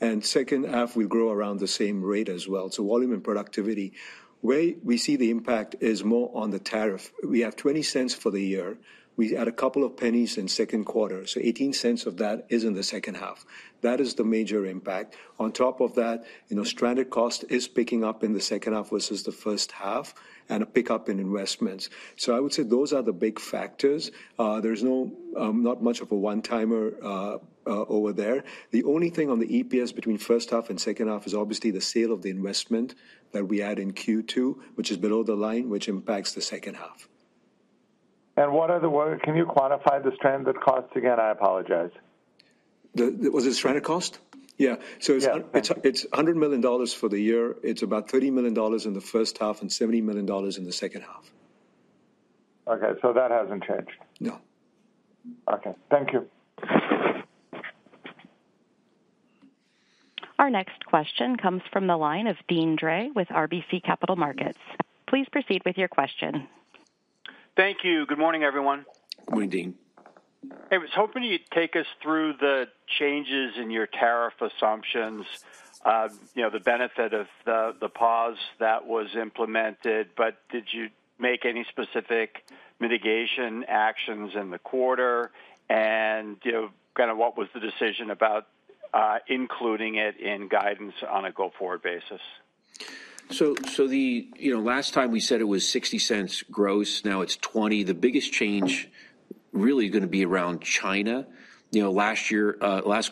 And second half, we grew around the same rate as well. So volume and productivity, where we see the impact is more on the tariff. We have $0.20 for the year. We had a couple of pennies in second quarter. So $0.18 of that is in the second half. That is the major impact. On top of that, stranded cost is picking up in the second half versus the first half and a pickup in investments. I would say those are the big factors. There's not much of a one-timer over there. The only thing on the EPS between first half and second half is obviously the sale of the investment that we had in Q2, which is below the line, which impacts the second half. What are the, can you quantify the stranded costs again? I apologize. Was it stranded cost? Yeah. So it's $100 million for the year. It's about $30 million in the first half and $70 million in the second half. Okay. So that hasn't changed? No. Okay. Thank you. Our next question comes from the line of Deane Dray with RBC Capital Markets. Please proceed with your question. Thank you. Good morning, everyone. Morning, Deane. Hey, I was hoping you'd take us through the changes in your tariff assumptions, the benefit of the pause that was implemented. Did you make any specific mitigation actions in the quarter? What was the decision about including it in guidance on a go-forward basis? Last time we said it was $0.60 gross. Now it's $0.20. The biggest change is really going to be around China. Last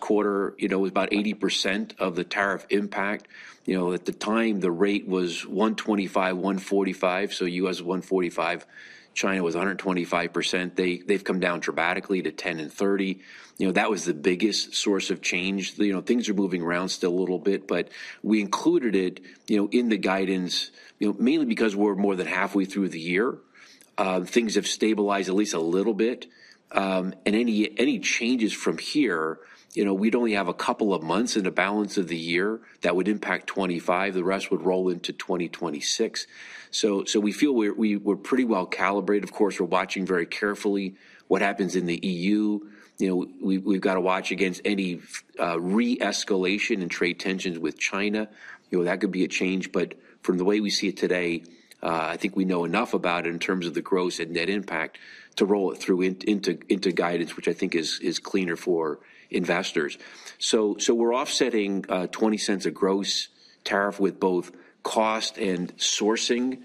quarter, it was about 80% of the tariff impact. At the time, the rate was 125, 145. So U.S. 145, China was 125%. They've come down dramatically to 10 and 30. That was the biggest source of change. Things are moving around still a little bit, but we included it in the guidance mainly because we're more than halfway through the year. Things have stabilized at least a little bit. Any changes from here, we'd only have a couple of months in the balance of the year that would impact 2025. The rest would roll into 2026. We feel we're pretty well calibrated. Of course, we're watching very carefully what happens in the EU. We've got to watch against any re-escalation in trade tensions with China. That could be a change. From the way we see it today, I think we know enough about it in terms of the gross and net impact to roll it through into guidance, which I think is cleaner for investors. We're offsetting $0.20 of gross tariff with both cost and sourcing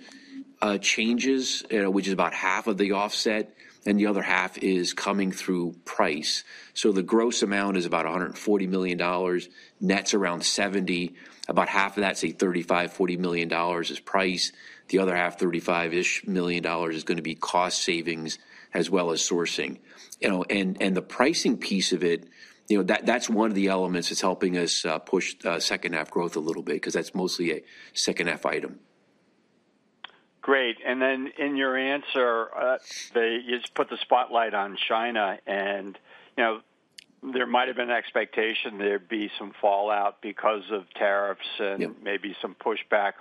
changes, which is about half of the offset, and the other half is coming through price. The gross amount is about $140 million. Net's around $70 million. About half of that, say, $35 million-$40 million is price. The other half, $35 million-ish, is going to be cost savings as well as sourcing. The pricing piece of it, that's one of the elements that's helping us push second-half growth a little bit because that's mostly a second-half item. Great. In your answer, you just put the spotlight on China. There might have been an expectation there'd be some fallout because of tariffs and maybe some pushback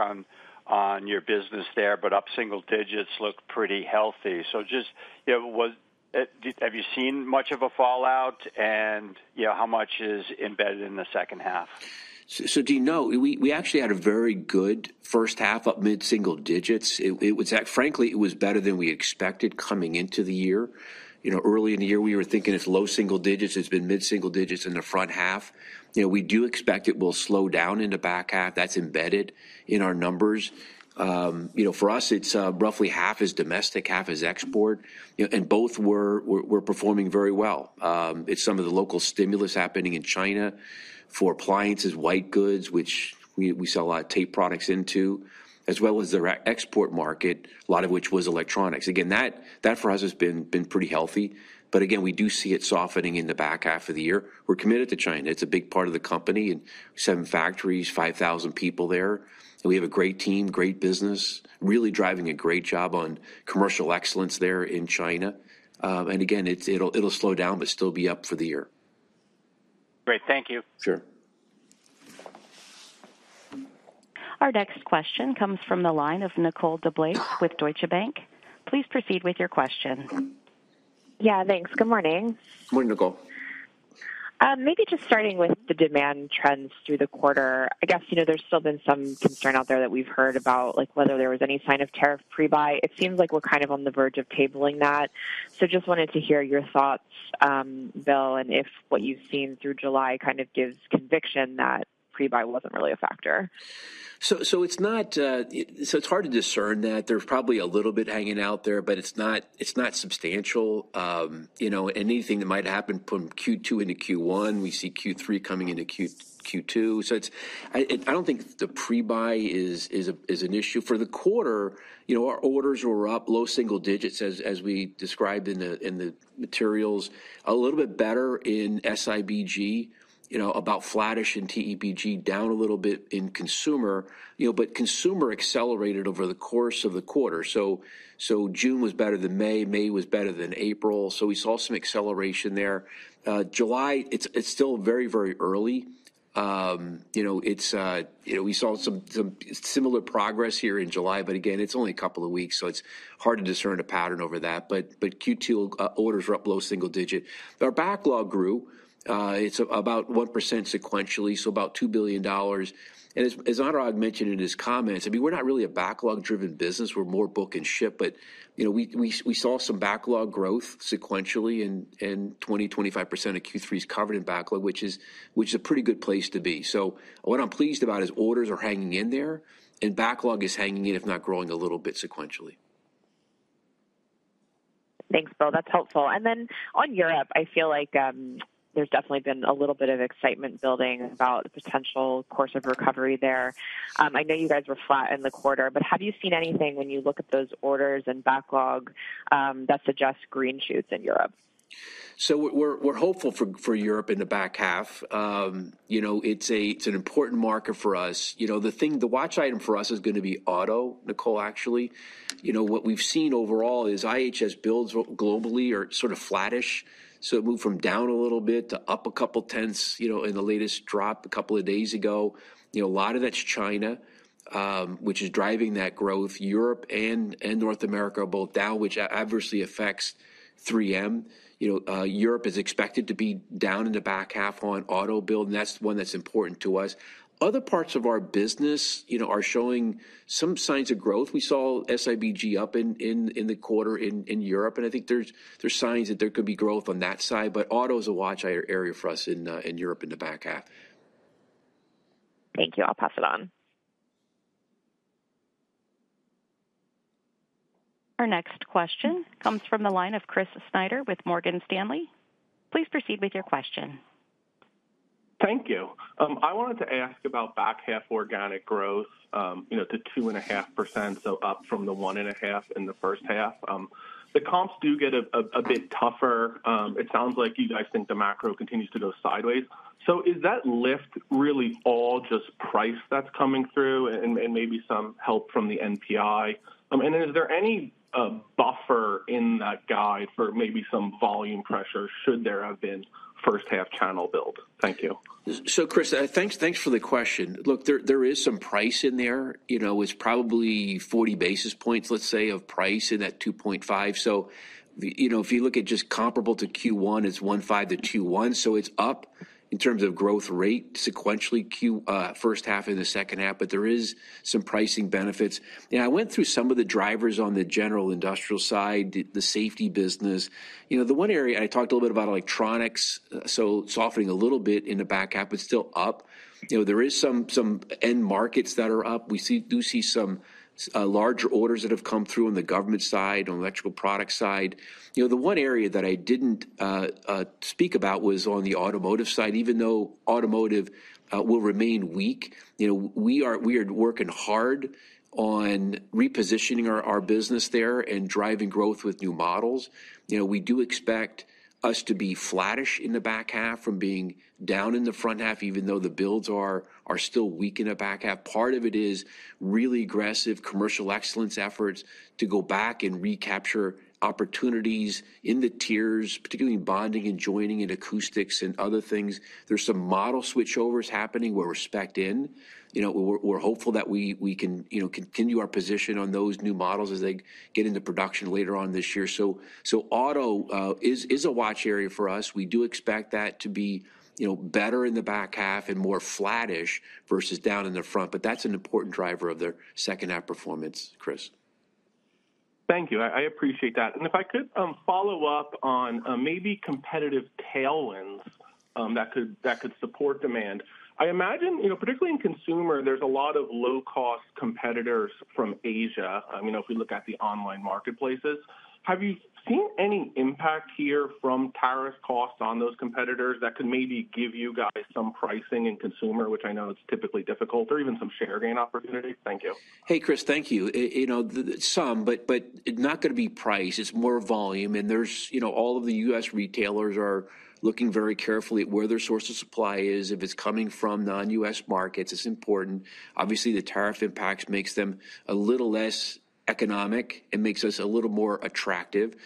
on your business there, but up single digits look pretty healthy. Just, have you seen much of a fallout? How much is embedded in the second half? Do you know? We actually had a very good first half, up mid-single digits. Frankly, it was better than we expected coming into the year. Early in the year, we were thinking it's low single digits. It's been mid-single digits in the front half. We do expect it will slow down in the back half. That's embedded in our numbers. For us, it's roughly half as domestic, half as export. Both were performing very well. It's some of the local stimulus happening in China for appliances, white goods, which we sell a lot of tape products into, as well as the export market, a lot of which was electronics. Again, that for us has been pretty healthy. Again, we do see it softening in the back half of the year. We're committed to China. It's a big part of the company and seven factories, 5,000 people there. We have a great team, great business, really driving a great job on commercial excellence there in China. Again, it'll slow down, but still be up for the year. Great. Thank you. Sure. Our next question comes from the line of Nicole DeBlase with Deutsche Bank. Please proceed with your question. Yeah, thanks. Good morning. Morning, Nicole. Maybe just starting with the demand trends through the quarter. I guess there's still been some concern out there that we've heard about whether there was any sign of tariff pre-buy. It seems like we're kind of on the verge of tabling that. Just wanted to hear your thoughts, Bill, and if what you've seen through July kind of gives conviction that pre-buy wasn't really a factor. It's hard to discern that. There's probably a little bit hanging out there, but it's not substantial. Anything that might happen from Q2 into Q1, we see Q3 coming into Q2. I don't think the pre-buy is an issue. For the quarter, our orders were up, low single digits, as we described in the materials. A little bit better in SIBG, about flattish in TEBG, down a little bit in consumer. Consumer accelerated over the course of the quarter. June was better than May. May was better than April. We saw some acceleration there. July, it's still very, very early. We saw some similar progress here in July, but again, it's only a couple of weeks. It's hard to discern a pattern over that. Q2 orders were up low single digit. Our backlog grew. It's about 1% sequentially, so about $2 billion. As Anurag mentioned in his comments, we're not really a backlog-driven business. We're more book and ship. We saw some backlog growth sequentially in 20-25% of Q3's covered in backlog, which is a pretty good place to be. What I'm pleased about is orders are hanging in there, and backlog is hanging in, if not growing a little bit sequentially. Thanks, Bill. That's helpful. On Europe, I feel like there's definitely been a little bit of excitement building about the potential course of recovery there. I know you guys were flat in the quarter, but have you seen anything when you look at those orders and backlog that suggests green shoots in Europe? We're hopeful for Europe in the back half. It's an important marker for us. The watch item for us is going to be auto, Nicole, actually. What we've seen overall is IHS builds globally are sort of flattish. It moved from down a little bit to up a couple of tenths in the latest drop a couple of days ago. A lot of that's China, which is driving that growth. Europe and North America are both down, which adversely affects 3M. Europe is expected to be down in the back half on auto build, and that's the one that's important to us. Other parts of our business are showing some signs of growth. We saw SIBG up in the quarter in Europe. I think there's signs that there could be growth on that side. Auto is a watch area for us in Europe in the back half. Thank you. I'll pass it on. Our next question comes from the line of Chris Snyder with Morgan Stanley. Please proceed with your question. Thank you. I wanted to ask about back half organic growth, the 2.5%, so up from the 1.5% in the first half. The comps do get a bit tougher. It sounds like you guys think the macro continues to go sideways. Is that lift really all just price that's coming through and maybe some help from the NPI? Is there any buffer in that guide for maybe some volume pressure should there have been first half channel build? Thank you. Chris, thanks for the question. Look, there is some price in there. It's probably 40 basis points, let's say, of price in that 2.5. If you look at just comparable to Q1, it's 1.5 to Q1. It's up in terms of growth rate sequentially, first half and the second half, but there is some pricing benefits. I went through some of the drivers on the general industrial side, the safety business. The one area, I talked a little bit about electronics, softening a little bit in the back half, but still up. There are some end markets that are up. We do see some larger orders that have come through on the government side, on the electrical product side. The one area that I didn't speak about was on the automotive side, even though automotive will remain weak. We are working hard on repositioning our business there and driving growth with new models. We do expect us to be flattish in the back half from being down in the front half, even though the builds are still weak in the back half. Part of it is really aggressive commercial excellence efforts to go back and recapture opportunities in the tiers, particularly in bonding and joining and acoustics and other things. There are some model switchovers happening where we're specced in. We're hopeful that we can continue our position on those new models as they get into production later on this year. Auto is a watch area for us. We do expect that to be better in the back half and more flattish versus down in the front. That's an important driver of their second-half performance, Chris. Thank you. I appreciate that. If I could follow up on maybe competitive tailwinds that could support demand. I imagine, particularly in consumer, there's a lot of low-cost competitors from Asia. If we look at the online marketplaces, have you seen any impact here from tariff costs on those competitors that could maybe give you guys some pricing in consumer, which I know it's typically difficult, or even some share gain opportunity? Thank you. Hey, Chris, thank you. Some, but not going to be price. It's more volume. All of the U.S. retailers are looking very carefully at where their source of supply is. If it's coming from non-U.S. markets, it's important. Obviously, the tariff impacts make them a little less economic and make us a little more attractive.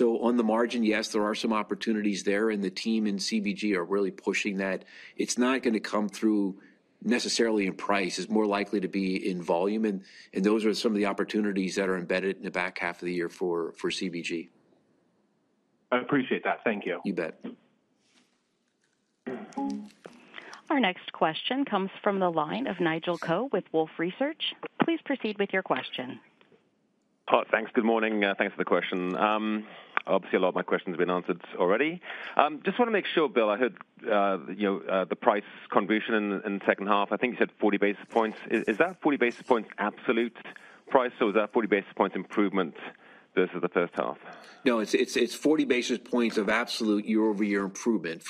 On the margin, yes, there are some opportunities there. The team in CBG are really pushing that. It's not going to come through necessarily in price. It's more likely to be in volume. Those are some of the opportunities that are embedded in the back half of the year for CBG. I appreciate that. Thank you. You bet. Our next question comes from the line of Nigel Coe with Wolfe Research. Please proceed with your question. Thanks. Good morning. Thanks for the question. Obviously, a lot of my questions have been answered already. Just want to make sure, Bill, I heard the price contribution in the second half. I think you said 40 basis points. Is that 40 basis points absolute price? So is that 40 basis points improvement versus the first half? No, it's 40 basis points of absolute year-over-year improvement.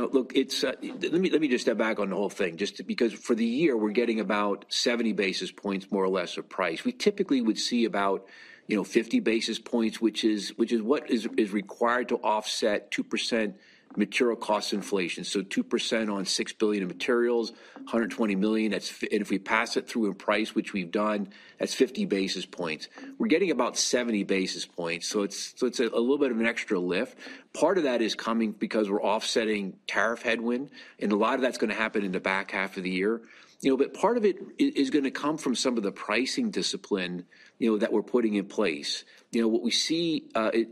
Look. Let me just step back on the whole thing just because for the year, we're getting about 70 basis points more or less of price. We typically would see about 50 basis points, which is what is required to offset 2% material cost inflation. So 2% on $6 billion of materials, $120 million. And if we pass it through in price, which we've done, that's 50 basis points. We're getting about 70 basis points. So it's a little bit of an extra lift. Part of that is coming because we're offsetting tariff headwind. A lot of that's going to happen in the back half of the year. Part of it is going to come from some of the pricing discipline that we're putting in place. What we see,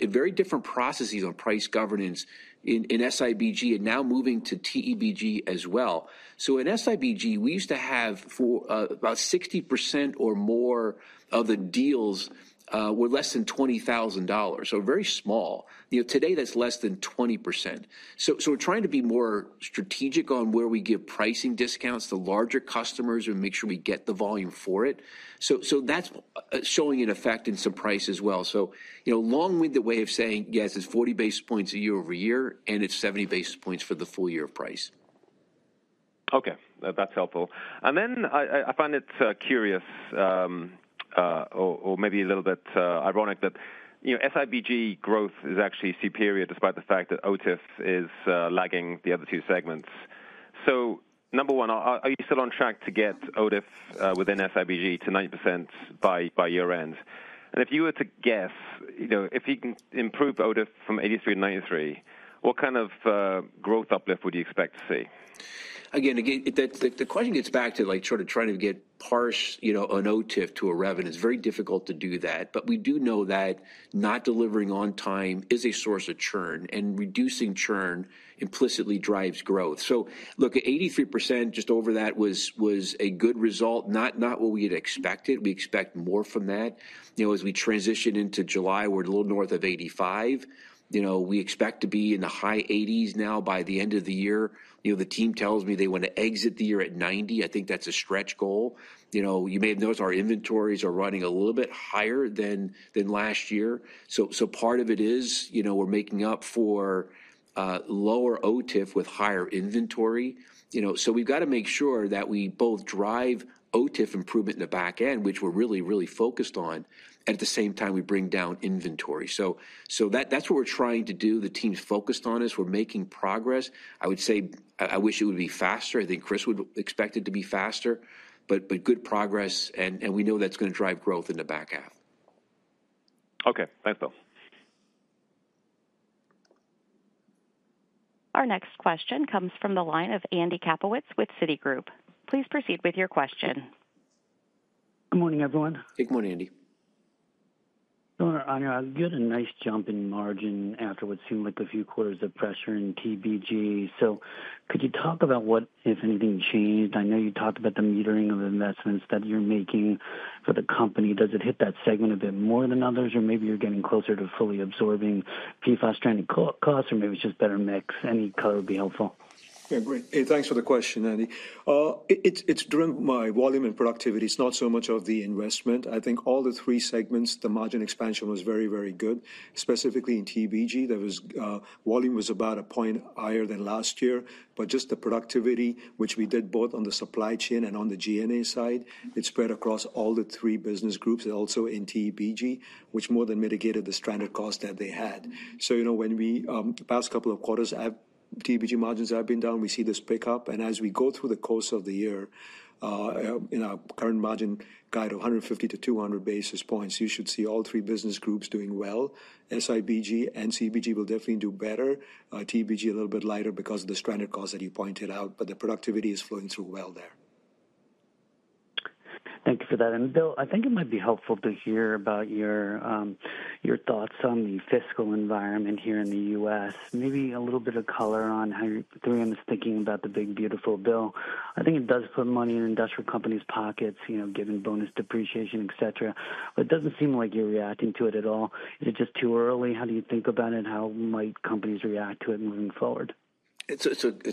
very different processes on price governance in SIBG and now moving to TEBG as well. In SIBG, we used to have about 60% or more of the deals were less than $20,000. Very small. Today, that's less than 20%. We're trying to be more strategic on where we give pricing discounts to larger customers and make sure we get the volume for it. That's showing an effect in some price as well. Long-winded way of saying, yes, it's 40 basis points year over year, and it's 70 basis points for the full year of price. Okay. That's helpful. I find it curious, or maybe a little bit ironic, that SIBG growth is actually superior despite the fact that OTIF is lagging the other two segments. Number one, are you still on track to get OTIF within SIBG to 90% by year-end? If you were to guess, if you can improve OTIF from 83% to 93%, what kind of growth uplift would you expect to see? Again, the question gets back to sort of trying to parse an OTIF to a revenue. It's very difficult to do that. But we do know that not delivering on time is a source of churn. And reducing churn implicitly drives growth. Look, at 83%, just over that was a good result, not what we had expected. We expect more from that. As we transition into July, we're a little north of 85. We expect to be in the high 80s now by the end of the year. The team tells me they want to exit the year at 90. I think that's a stretch goal. You may have noticed our inventories are running a little bit higher than last year. Part of it is we're making up for lower OTIF with higher inventory. We've got to make sure that we both drive OTIF improvement in the back end, which we're really, really focused on, and at the same time, we bring down inventory. That's what we're trying to do. The team's focused on this. We're making progress. I would say I wish it would be faster. I think Chris would expect it to be faster. Good progress. We know that's going to drive growth in the back half. Okay. Thanks, Bill. Our next question comes from the line of Andy Kaplowitz with Citigroup. Please proceed with your question. Good morning, everyone. Hey, good morning, Andy. I got a nice jump in margin after what seemed like a few quarters of pressure in TBG. Could you talk about what, if anything, changed? I know you talked about the metering of investments that you're making for the company. Does it hit that segment a bit more than others, or maybe you're getting closer to fully absorbing PFAS-stranded costs, or maybe it's just better mix? Any color would be helpful. Yeah, great. Hey, thanks for the question, Andy. It's driven by volume and productivity. It's not so much of the investment. I think all the three segments, the margin expansion was very, very good. Specifically in TBG, the volume was about a point higher than last year. Just the productivity, which we did both on the supply chain and on the G&A side, it spread across all the three business groups and also in TBG, which more than mitigated the stranded cost that they had. When we look at the past couple of quarters, TBG margins have been down, we see this pick up. As we go through the course of the year, in our current margin guide of 150-200 basis points, you should see all three business groups doing well. SIBG and CBG will definitely do better. TBG a little bit lighter because of the stranded costs that you pointed out. The productivity is flowing through well there. Thank you for that. Bill, I think it might be helpful to hear about your thoughts on the fiscal environment here in the U.S. Maybe a little bit of color on how you're doing on this, thinking about the big beautiful bill. I think it does put money in industrial companies' pockets, given bonus depreciation, etc. It does not seem like you're reacting to it at all. Is it just too early? How do you think about it? How might companies react to it moving forward? It's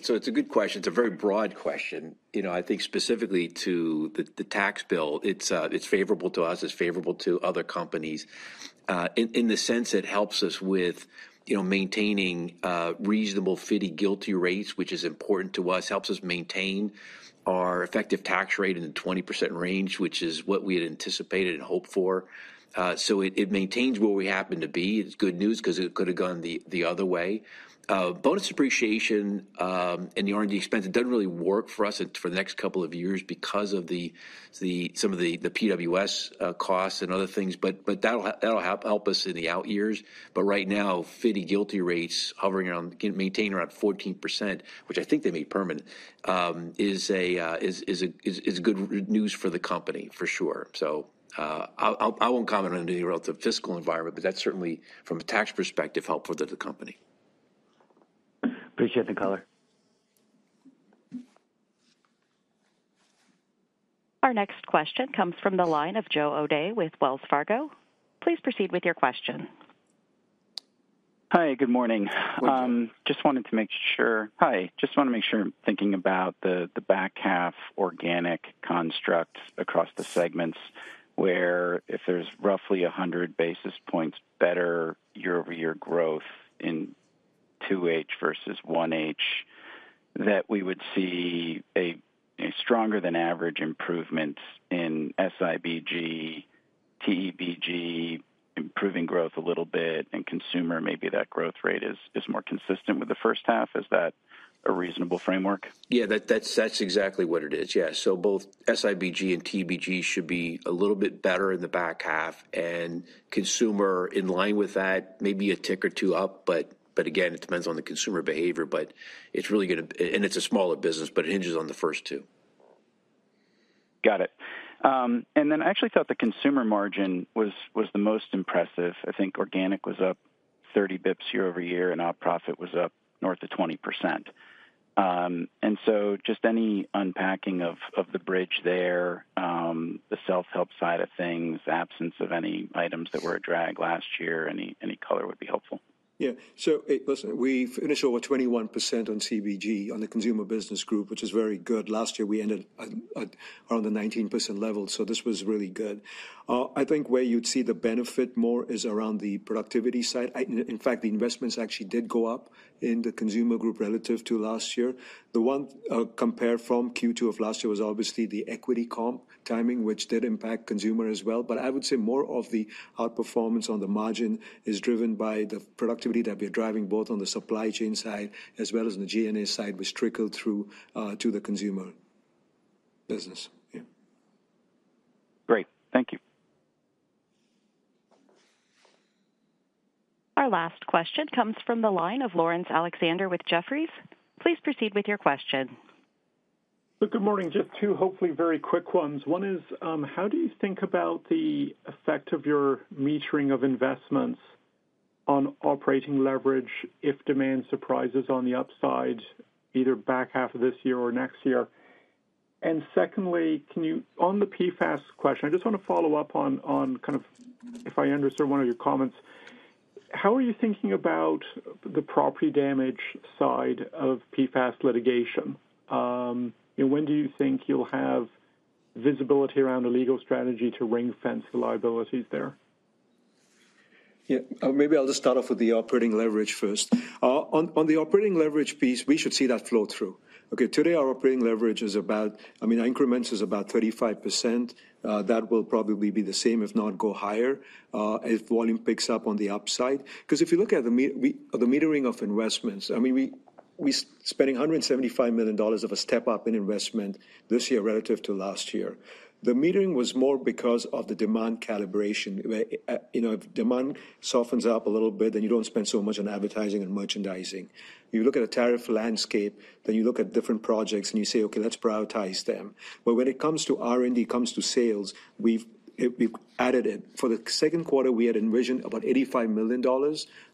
a good question. It's a very broad question. I think specifically to the tax bill, it's favorable to us. It's favorable to other companies. In the sense it helps us with maintaining reasonable, FDII GILTI rates, which is important to us, helps us maintain our effective tax rate in the 20% range, which is what we had anticipated and hoped for. It maintains where we happen to be. It's good news because it could have gone the other way. Bonus depreciation and the R&D expense, it doesn't really work for us for the next couple of years because of some of the PWS costs and other things. That'll help us in the out years. Right now, FDII GILTI rates hovering around, maintaining around 14%, which I think they made permanent, is good news for the company, for sure. I won't comment on anything relative to the fiscal environment, but that certainly, from a tax perspective, helped for the company. Appreciate the color. Our next question comes from the line of Joe Odeh with Wells Fargo. Please proceed with your question. Hi, good morning. Just wanted to make sure, just wanted to make sure I'm thinking about the back half organic construct across the segments where if there's roughly 100 basis points better year-over-year growth in 2H versus 1H, that we would see a stronger-than-average improvement in SIBG. TEBG, improving growth a little bit, and consumer, maybe that growth rate is more consistent with the first half. Is that a reasonable framework? Yeah, that's exactly what it is. Yeah. So both SIBG and TEBG should be a little bit better in the back half. And consumer, in line with that, maybe a tick or two up. Again, it depends on the consumer behavior. It's really going to, and it's a smaller business, but it hinges on the first two. Got it. I actually thought the consumer margin was the most impressive. I think organic was up 30 basis points year-over-year, and our profit was up north of 20%. Just any unpacking of the bridge there, the self-help side of things, absence of any items that were a drag last year, any color would be helpful. Yeah. Listen, we finished over 21% on CBG, on the consumer business group, which is very good. Last year, we ended around the 19% level. This was really good. I think where you'd see the benefit more is around the productivity side. In fact, the investments actually did go up in the consumer group relative to last year. The one compared from Q2 of last year was obviously the equity comp timing, which did impact consumer as well. I would say more of the outperformance on the margin is driven by the productivity that we're driving both on the supply chain side as well as the G&A side, which trickled through to the consumer business. Yeah. Great. Thank you. Our last question comes from the line of Laurence Alexander with Jefferies. Please proceed with your question. Good morning. Just two, hopefully, very quick ones. One is, how do you think about the effect of your metering of investments on operating leverage if demand surprises on the upside, either back half of this year or next year? Secondly, on the PFAS question, I just want to follow up on kind of, if I understood one of your comments, how are you thinking about the property damage side of PFAS litigation? When do you think you'll have visibility around a legal strategy to ring-fence the liabilities there? Yeah. Maybe I'll just start off with the operating leverage first. On the operating leverage piece, we should see that flow through. Okay. Today, our operating leverage is about, I mean, increments is about 35%. That will probably be the same, if not go higher, if volume picks up on the upside. Because if you look at the metering of investments, I mean, we're spending $175 million of a step-up in investment this year relative to last year. The metering was more because of the demand calibration. If demand softens up a little bit, then you don't spend so much on advertising and merchandising. You look at a tariff landscape, then you look at different projects and you say, "Okay, let's prioritize them." When it comes to R&D, it comes to sales, we've added it. For the second quarter, we had envisioned about $85 million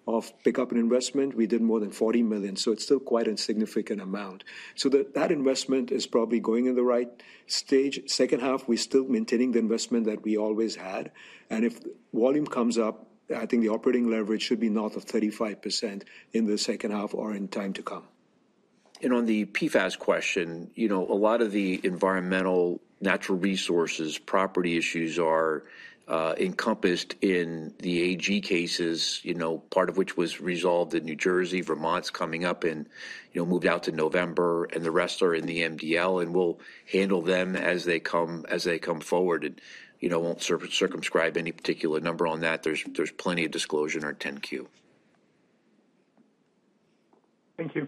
of pickup in investment, we did more than $40 million. It's still quite a significant amount. That investment is probably going in the right stage. Second half, we're still maintaining the investment that we always had. If volume comes up, I think the operating leverage should be north of 35% in the second half or in time to come. On the PFAS question, a lot of the environmental, natural resources, property issues are encompassed in the AG cases, part of which was resolved in New Jersey. Vermont's coming up and moved out to November, and the rest are in the MDL. We'll handle them as they come forward. I won't circumscribe any particular number on that. There's plenty of disclosure in our 10-Q. Thank you.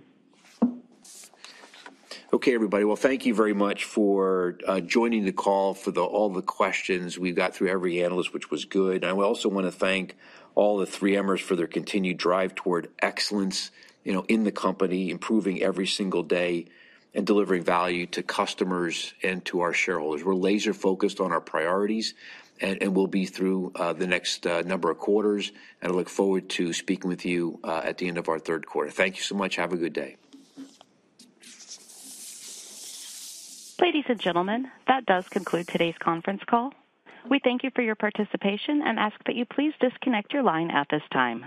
Okay, everybody. Thank you very much for joining the call, for all the questions. We got through every analyst, which was good. I also want to thank all the 3Mers for their continued drive toward excellence in the company, improving every single day and delivering value to customers and to our shareholders. We're laser-focused on our priorities and will be through the next number of quarters. I look forward to speaking with you at the end of our third quarter. Thank you so much. Have a good day. Ladies and gentlemen, that does conclude today's conference call. We thank you for your participation and ask that you please disconnect your line at this time.